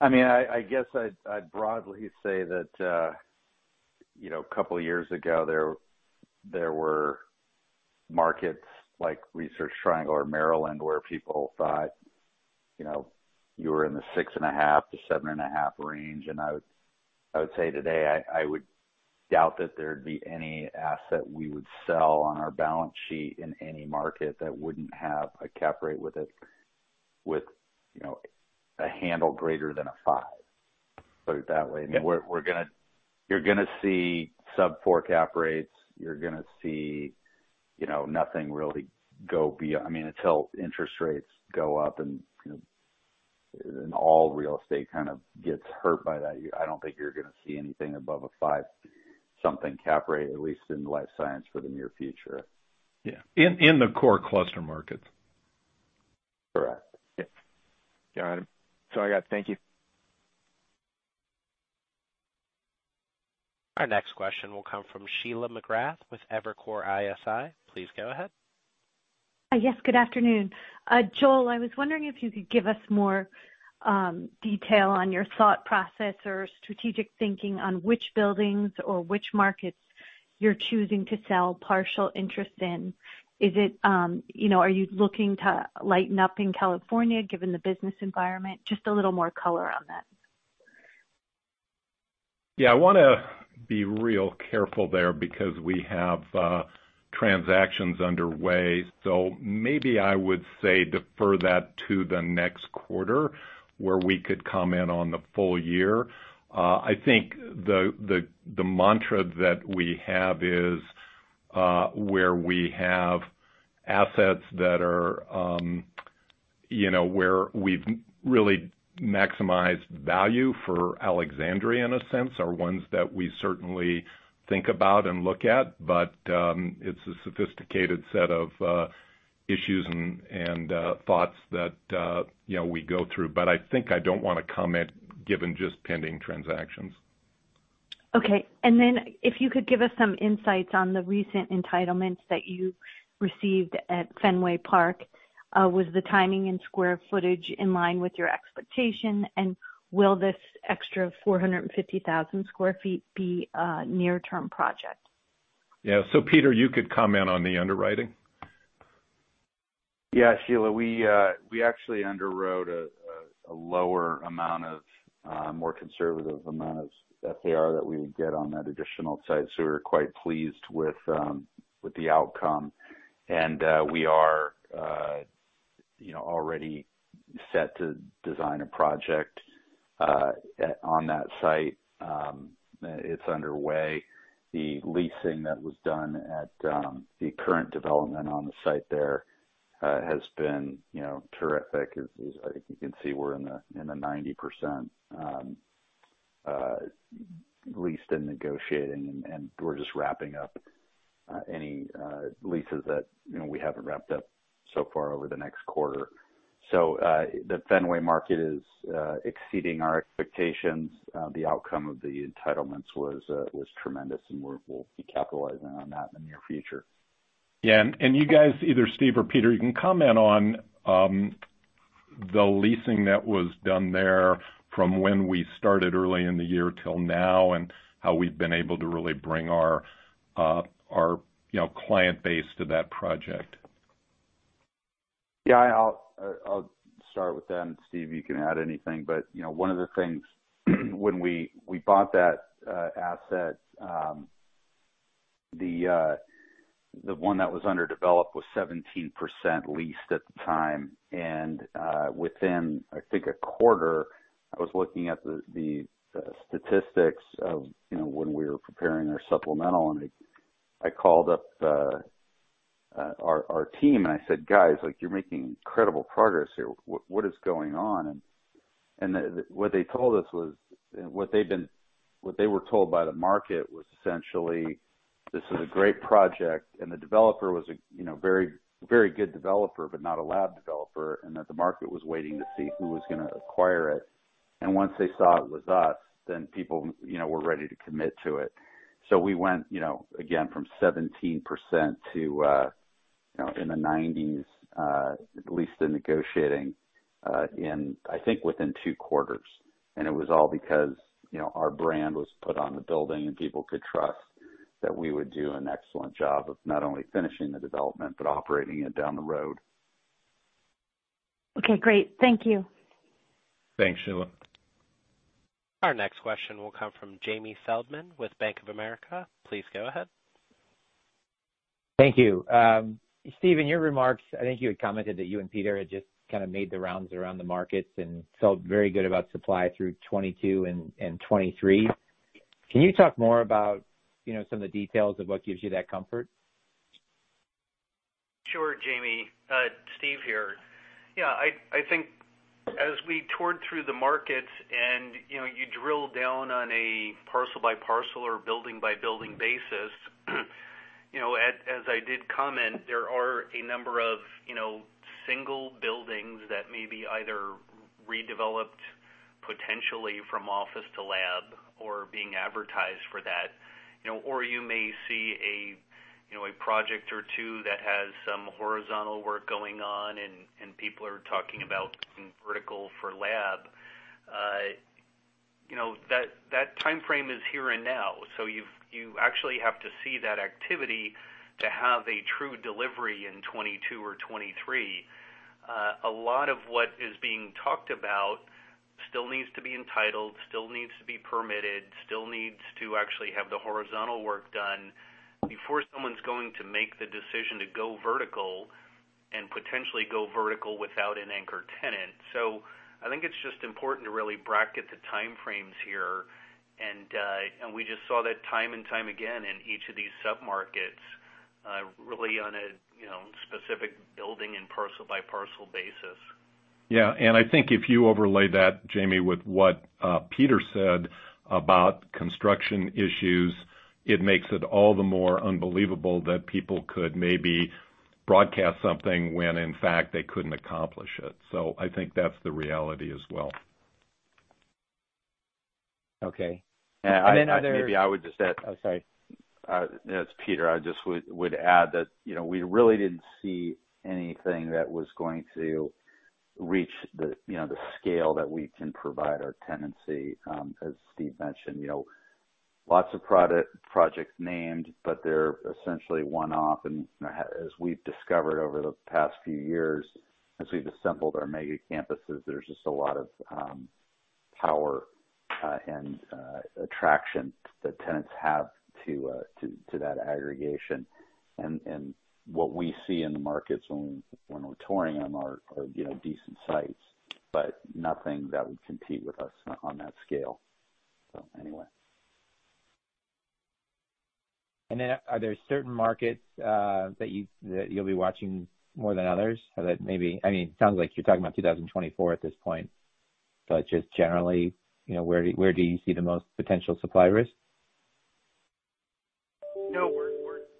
I mean, I guess I'd broadly say that, you know, a couple years ago, there were markets like Research Triangle or Maryland, where people thought, you know, you were in the 6.5-7.5 range. I would say today, I would doubt that there'd be any asset we would sell on our balance sheet in any market that wouldn't have a cap rate with it, you know, a handle greater than a five. Put it that way. Yeah. You're gonna see sub-four cap rates. You're gonna see, you know, nothing really go beyond, I mean, until interest rates go up and, you know, all real estate kind of gets hurt by that, I don't think you're gonna see anything above a five-something cap rate, at least in life science, for the near future. Yeah. In the core cluster markets. Correct. Yep. Got it. That's all I got. Thank you. Our next question will come from Sheila McGrath with Evercore ISI. Please go ahead. Yes, good afternoon. Joel, I was wondering if you could give us more detail on your thought process or strategic thinking on which buildings or which markets you're choosing to sell partial interest in. Is it, you know, are you looking to lighten up in California given the business environment? Just a little more color on that. Yeah, I wanna be real careful there because we have transactions underway. Maybe I would say defer that to the next quarter where we could comment on the full year. I think the mantra that we have is where we have assets that are, you know, where we've really maximized value for Alexandria in a sense, are ones that we certainly think about and look at. It's a sophisticated set of issues and thoughts that, you know, we go through. I think I don't wanna comment given just pending transactions. Okay. If you could give us some insights on the recent entitlements that you received at Fenway Park, was the timing and square footage in line with your expectation, and will this extra 450,000 sq ft be a near-term project? Yeah. Peter, you could comment on the underwriting. Yeah. Sheila, we actually underwrote a more conservative amount of FAR that we would get on that additional site, so we were quite pleased with the outcome. We are, you know, already set to design a project on that site. It's underway. The leasing that was done at the current development on the site there has been, you know, terrific. As you can see, we're in the 90% leased and negotiating, and we're just wrapping up any leases that, you know, we haven't wrapped up so far over the next quarter. The Fenway market is exceeding our expectations. The outcome of the entitlements was tremendous, and we'll be capitalizing on that in the near future. you guys, either Steve or Peter, you can comment on the leasing that was done there from when we started early in the year till now, and how we've been able to really bring our client base to that project. Yeah, I'll start with that, and Steve, you can add anything. You know, one of the things when we bought that asset, the one that was underdeveloped was 17% leased at the time. Within a quarter, I was looking at the statistics you know when we were preparing our supplemental, and I called up our team and I said, "Guys, like, you're making incredible progress here. What is going on?" What they told us was what they were told by the market was essentially this is a great project, and the developer was a you know very very good developer, but not a lab developer, and that the market was waiting to see who was gonna acquire it. Once they saw it was us, then people, you know, were ready to commit to it. We went, you know, again, from 17% to, you know, in the 1990s leased and negotiating in I think within two quarters. It was all because, you know, our brand was put on the building and people could trust that we would do an excellent job of not only finishing the development, but operating it down the road. Okay, great. Thank you. Thanks, Sheila. Our next question will come from Jamie Feldman with Bank of America. Please go ahead. Thank you. Steve, in your remarks, I think you had commented that you and Peter had just kinda made the rounds around the markets and felt very good about supply through 2022 and 2023. Can you talk more about, you know, some of the details of what gives you that comfort? Sure, Jamie. Steve here. Yeah, I think as we toured through the markets and, you know, you drill down on a parcel-by-parcel or building-by-building basis, you know, as I did comment, there are a number of, you know, single buildings that may be either redeveloped potentially from office to lab or being advertised for that, you know. Or you may see a, you know, a project or two that has some horizontal work going on and people are talking about going vertical for lab. You know, that timeframe is here and now, so you actually have to see that activity to have a true delivery in 2022 or 2023. A lot of what is being talked about still needs to be entitled, still needs to be permitted, still needs to actually have the horizontal work done before someone's going to make the decision to go vertical and potentially go vertical without an anchor tenant. I think it's just important to really bracket the timeframes here. We just saw that time and time again in each of these sub-markets, really on a, you know, specific building and parcel-by-parcel basis. Yeah. I think if you overlay that, Jamie, with what Peter said about construction issues, it makes it all the more unbelievable that people could maybe broadcast something when in fact they couldn't accomplish it. I think that's the reality as well. Okay. Yeah, maybe I would just add. Oh, sorry. It's Peter. I just would add that, you know, we really didn't see anything that was going to reach the, you know, the scale that we can provide our tenancy, as Steve mentioned. You know. Lots of projects named, but they're essentially one-off. As we've discovered over the past few years, as we've assembled our mega campuses, there's just a lot of power and attraction that tenants have to that aggregation. What we see in the markets when we're touring them are you know decent sites, but nothing that would compete with us on that scale. Anyway. Are there certain markets that you'll be watching more than others? Or that maybe I mean, it sounds like you're talking about 2024 at this point. Just generally, you know, where do you see the most potential supply risk? No, we're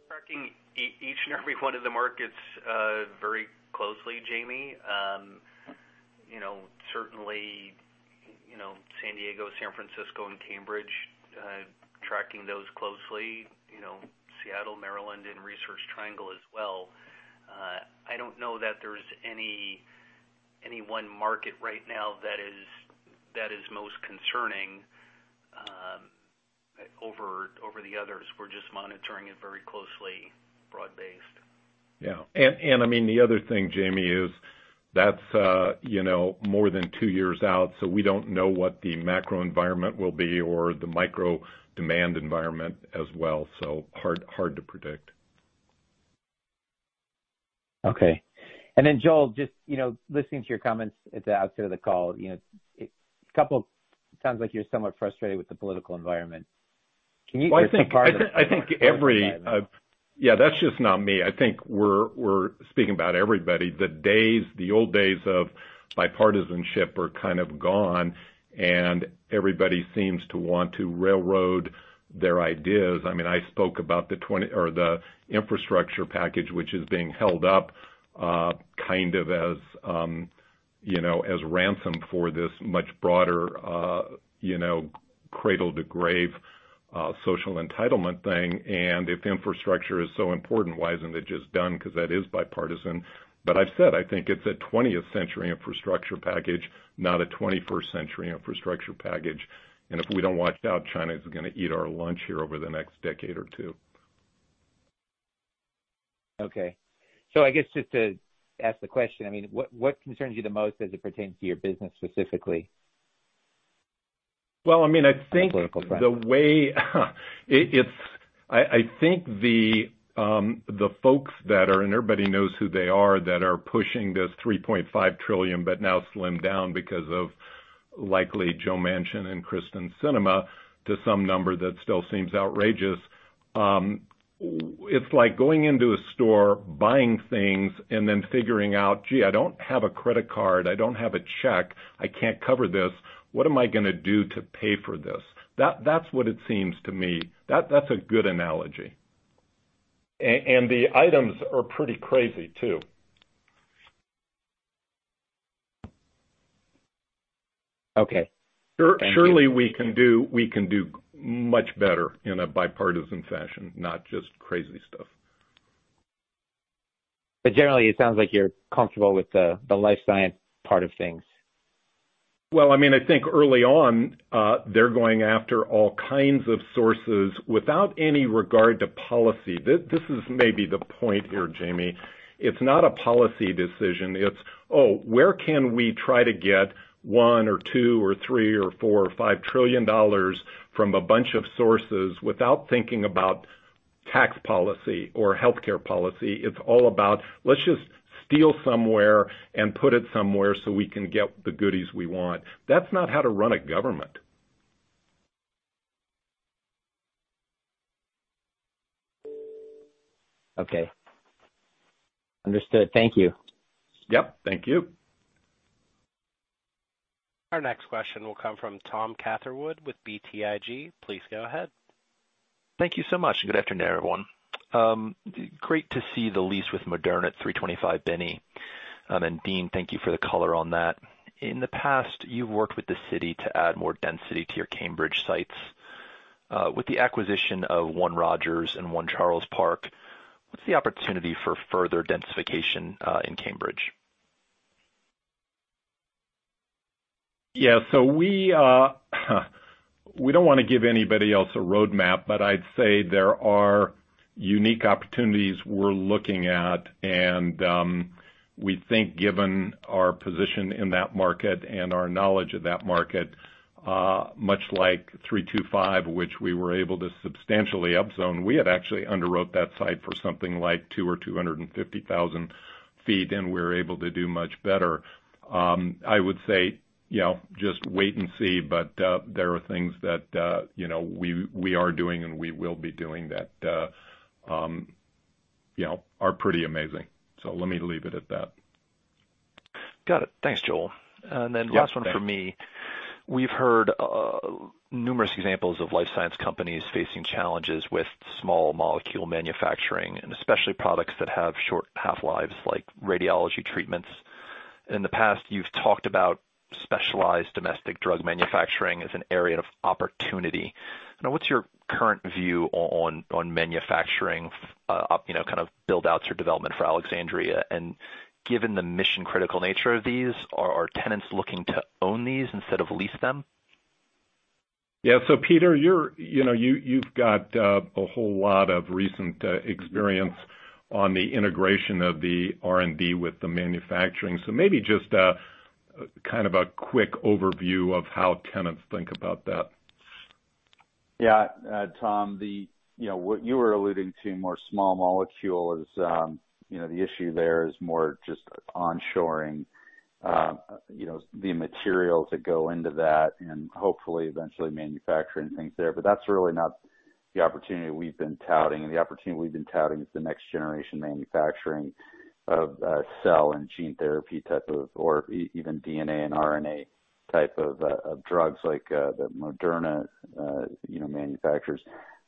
tracking each and every one of the markets very closely, Jamie. You know, certainly, you know, San Diego, San Francisco and Cambridge, tracking those closely. You know, Seattle, Maryland and Research Triangle as well. I don't know that there's any one market right now that is most concerning over the others. We're just monitoring it very closely, broad-based. Yeah. I mean, the other thing, Jamie, is that's you know, more than two years out, so we don't know what the macro environment will be or the micro demand environment as well. Hard to predict. Okay. Joel, just, you know, listening to your comments at the outset of the call, you know, sounds like you're somewhat frustrated with the political environment. Can you- I think every... That's just not me. I think we're speaking about everybody. The old days of bipartisanship are kind of gone, and everybody seems to want to railroad their ideas. I mean, I spoke about the infrastructure package, which is being held up kind of as ransom for this much broader cradle-to-grave social entitlement thing. If infrastructure is so important, why isn't it just done? Because that is bipartisan. I've said, I think it's a twentieth-century infrastructure package, not a 21st century infrastructure package. If we don't watch out, China is gonna eat our lunch here over the next decade or two. Okay. I guess just to ask the question, I mean, what concerns you the most as it pertains to your business specifically? Well, I mean, I think. On the political front. I think the folks that are, and everybody knows who they are, that are pushing this $3.5 trillion, but now slimmed down because of likely Joe Manchin and Kyrsten Sinema to some number that still seems outrageous. It's like going into a store, buying things, and then figuring out, gee, I don't have a credit card. I don't have a check. I can't cover this. What am I gonna do to pay for this? That's what it seems to me. That's a good analogy. And the items are pretty crazy, too. Okay. Thank you. Surely we can do much better in a bipartisan fashion, not just crazy stuff. Generally, it sounds like you're comfortable with the life science part of things. Well, I mean, I think early on, they're going after all kinds of sources without any regard to policy. This is maybe the point here, Jamie. It's not a policy decision. It's, oh, where can we try to get $1 or $2 or $3 or $4 or $5 trillion from a bunch of sources without thinking about tax policy or healthcare policy? It's all about let's just steal somewhere and put it somewhere so we can get the goodies we want. That's not how to run a government. Okay. Understood. Thank you. Yep, thank you. Our next question will come from Thomas Catherwood with BTIG. Please go ahead. Thank you so much. Good afternoon, everyone. Great to see the lease with Moderna at 325 Binney. Dean, thank you for the color on that. In the past, you've worked with the city to add more density to your Cambridge sites. With the acquisition of One Rogers and 1 Charles Park, what's the opportunity for further densification in Cambridge? Yeah. We don't wanna give anybody else a roadmap, but I'd say there are unique opportunities we're looking at. We think given our position in that market and our knowledge of that market, much like 325, which we were able to substantially up zone, we had actually underwrote that site for something like 200 or 250,000 sq ft, and we're able to do much better. I would say, you know, just wait and see. There are things that, you know, we are doing and we will be doing that are pretty amazing. Let me leave it at that. Got it. Thanks, Joel. Yeah. Thanks. Last one from me. We've heard numerous examples of life science companies facing challenges with small molecule manufacturing, and especially products that have short half-lives, like radiology treatments. In the past, you've talked about specialized domestic drug manufacturing as an area of opportunity. Now, what's your current view on manufacturing up, you know, kind of build-outs or development for Alexandria? And given the mission-critical nature of these, are tenants looking to own these instead of lease them? Yeah. Peter, you know, you've got a whole lot of recent experience on the integration of the R&D with the manufacturing. Maybe just a kind of quick overview of how tenants think about that. Yeah. Tom, you know, what you were alluding to, more small molecule is, you know, the issue there is more just onshoring, you know, the material to go into that and hopefully eventually manufacturing things there. That's really not the opportunity we've been touting. The opportunity we've been touting is the next generation manufacturing of cell and gene therapy type of, or even DNA and RNA type of drugs like the Moderna manufacturers.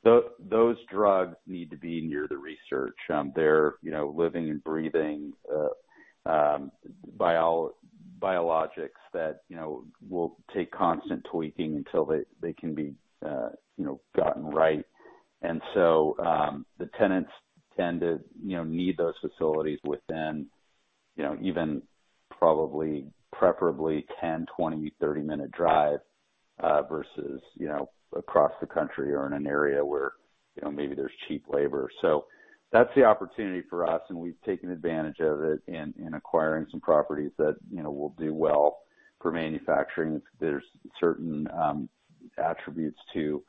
Those drugs need to be near the research. They're living and breathing biologics that will take constant tweaking until they can be gotten right. The tenants tend to, you know, need those facilities within, you know, even probably preferably 10-, 20-, 30-minute drive versus, you know, across the country or in an area where, you know, maybe there's cheap labor. That's the opportunity for us, and we've taken advantage of it in acquiring some properties that, you know, will do well for manufacturing. There's certain attributes to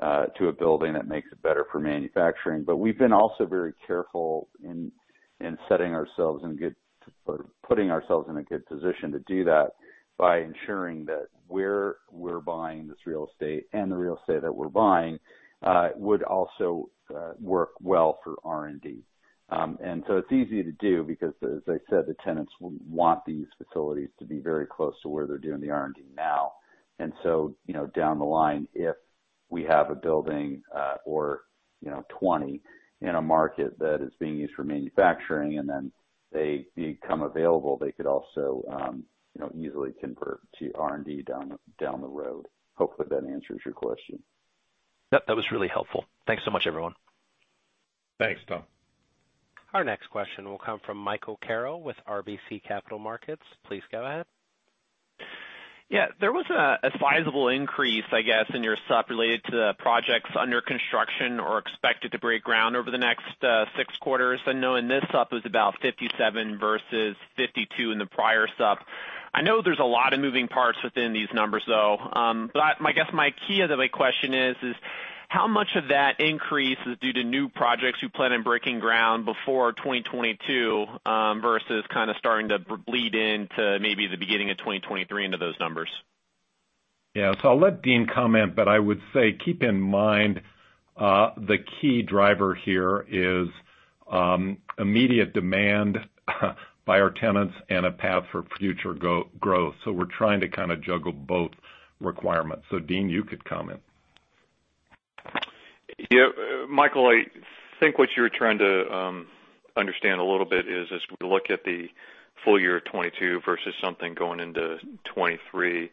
a building that makes it better for manufacturing. We've been also very careful in putting ourselves in a good position to do that by ensuring that where we're buying this real estate and the real estate that we're buying would also work well for R&D. It's easy to do because, as I said, the tenants will want these facilities to be very close to where they're doing the R&D now. You know, down the line, if we have a building or, you know, 20 in a market that is being used for manufacturing, and then they become available, they could also, you know, easily convert to R&D down the road. Hopefully, that answers your question. Yep, that was really helpful. Thanks so much, everyone. Thanks, Tom. Our next question will come from Michael Carroll with RBC Capital Markets. Please go ahead. Yeah. There was a sizable increase, I guess, in your supp related to the projects under construction or expected to break ground over the next six quarters. I know in this supp it was about 57 versus 52 in the prior supp. I know there's a lot of moving parts within these numbers, though. I guess the key to my question is how much of that increase is due to new projects you plan on breaking ground before 2022, versus kind of starting to bleed into maybe the beginning of 2023 into those numbers? Yeah. I'll let Dean comment, but I would say keep in mind, the key driver here is immediate demand by our tenants and a path for future growth. We're trying to kind of juggle both requirements. Dean, you could comment. Yeah. Michael, I think what you're trying to understand a little bit is as we look at the full year of 2022 versus something going into 2023,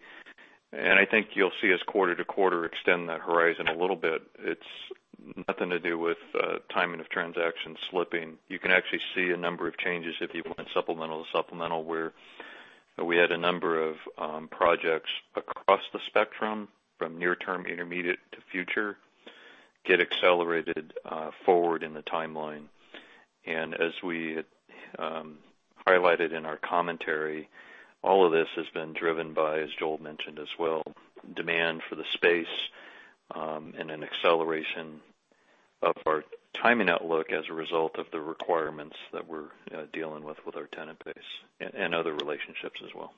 and I think you'll see us quarter to quarter extend that horizon a little bit. It's nothing to do with timing of transactions slipping. You can actually see a number of changes if you went supplemental to supplemental, where we had a number of projects across the spectrum from near term, intermediate to future, get accelerated forward in the timeline. As we highlighted in our commentary, all of this has been driven by, as Joel mentioned as well, demand for the space, and an acceleration of our timing outlook as a result of the requirements that we're dealing with with our tenant base and other relationships as well.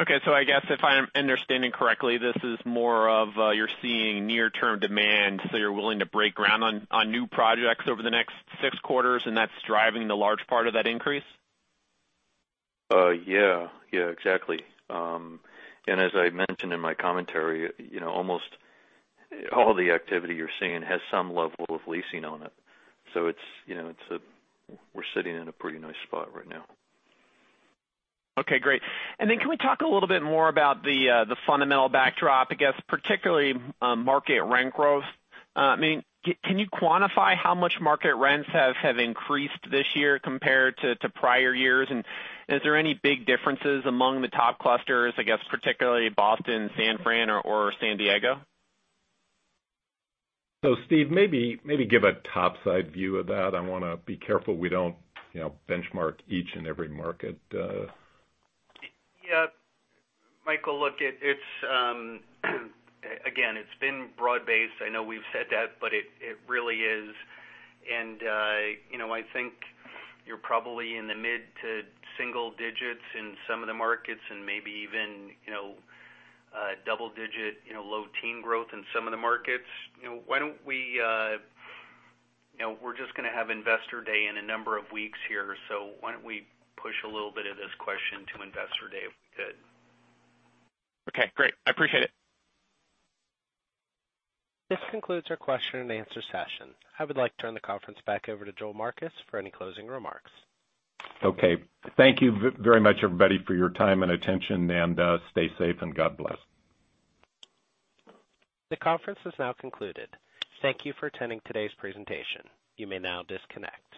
Okay. I guess if I'm understanding correctly, this is more of a you're seeing near-term demand, so you're willing to break ground on new projects over the next six quarters, and that's driving the large part of that increase? Yeah, exactly. As I mentioned in my commentary, you know, almost all the activity you're seeing has some level of leasing on it. You know, we're sitting in a pretty nice spot right now. Okay, great. Can we talk a little bit more about the fundamental backdrop, I guess particularly market rent growth? I mean, can you quantify how much market rents have increased this year compared to prior years? Is there any big differences among the top clusters, I guess particularly Boston, San Fran or San Diego? Steve, maybe give a top side view of that. I wanna be careful we don't, you know, benchmark each and every market. Yeah. Michael, look, it's again, it's been broad-based. I know we've said that, but it really is. You know, I think you're probably in the mid- to single-digit in some of the markets and maybe even, you know, double-digit, you know, low-teens growth in some of the markets. You know, why don't we. You know, we're just gonna have Investor Day in a number of weeks here, so why don't we push a little bit of this question to Investor Day if we could? Okay, great. I appreciate it. This concludes our question-and-answer session. I would like to turn the conference back over to Joel Marcus for any closing remarks. Okay. Thank you very much, everybody, for your time and attention, and stay safe and God bless. The conference is now concluded. Thank you for attending today's presentation. You may now disconnect.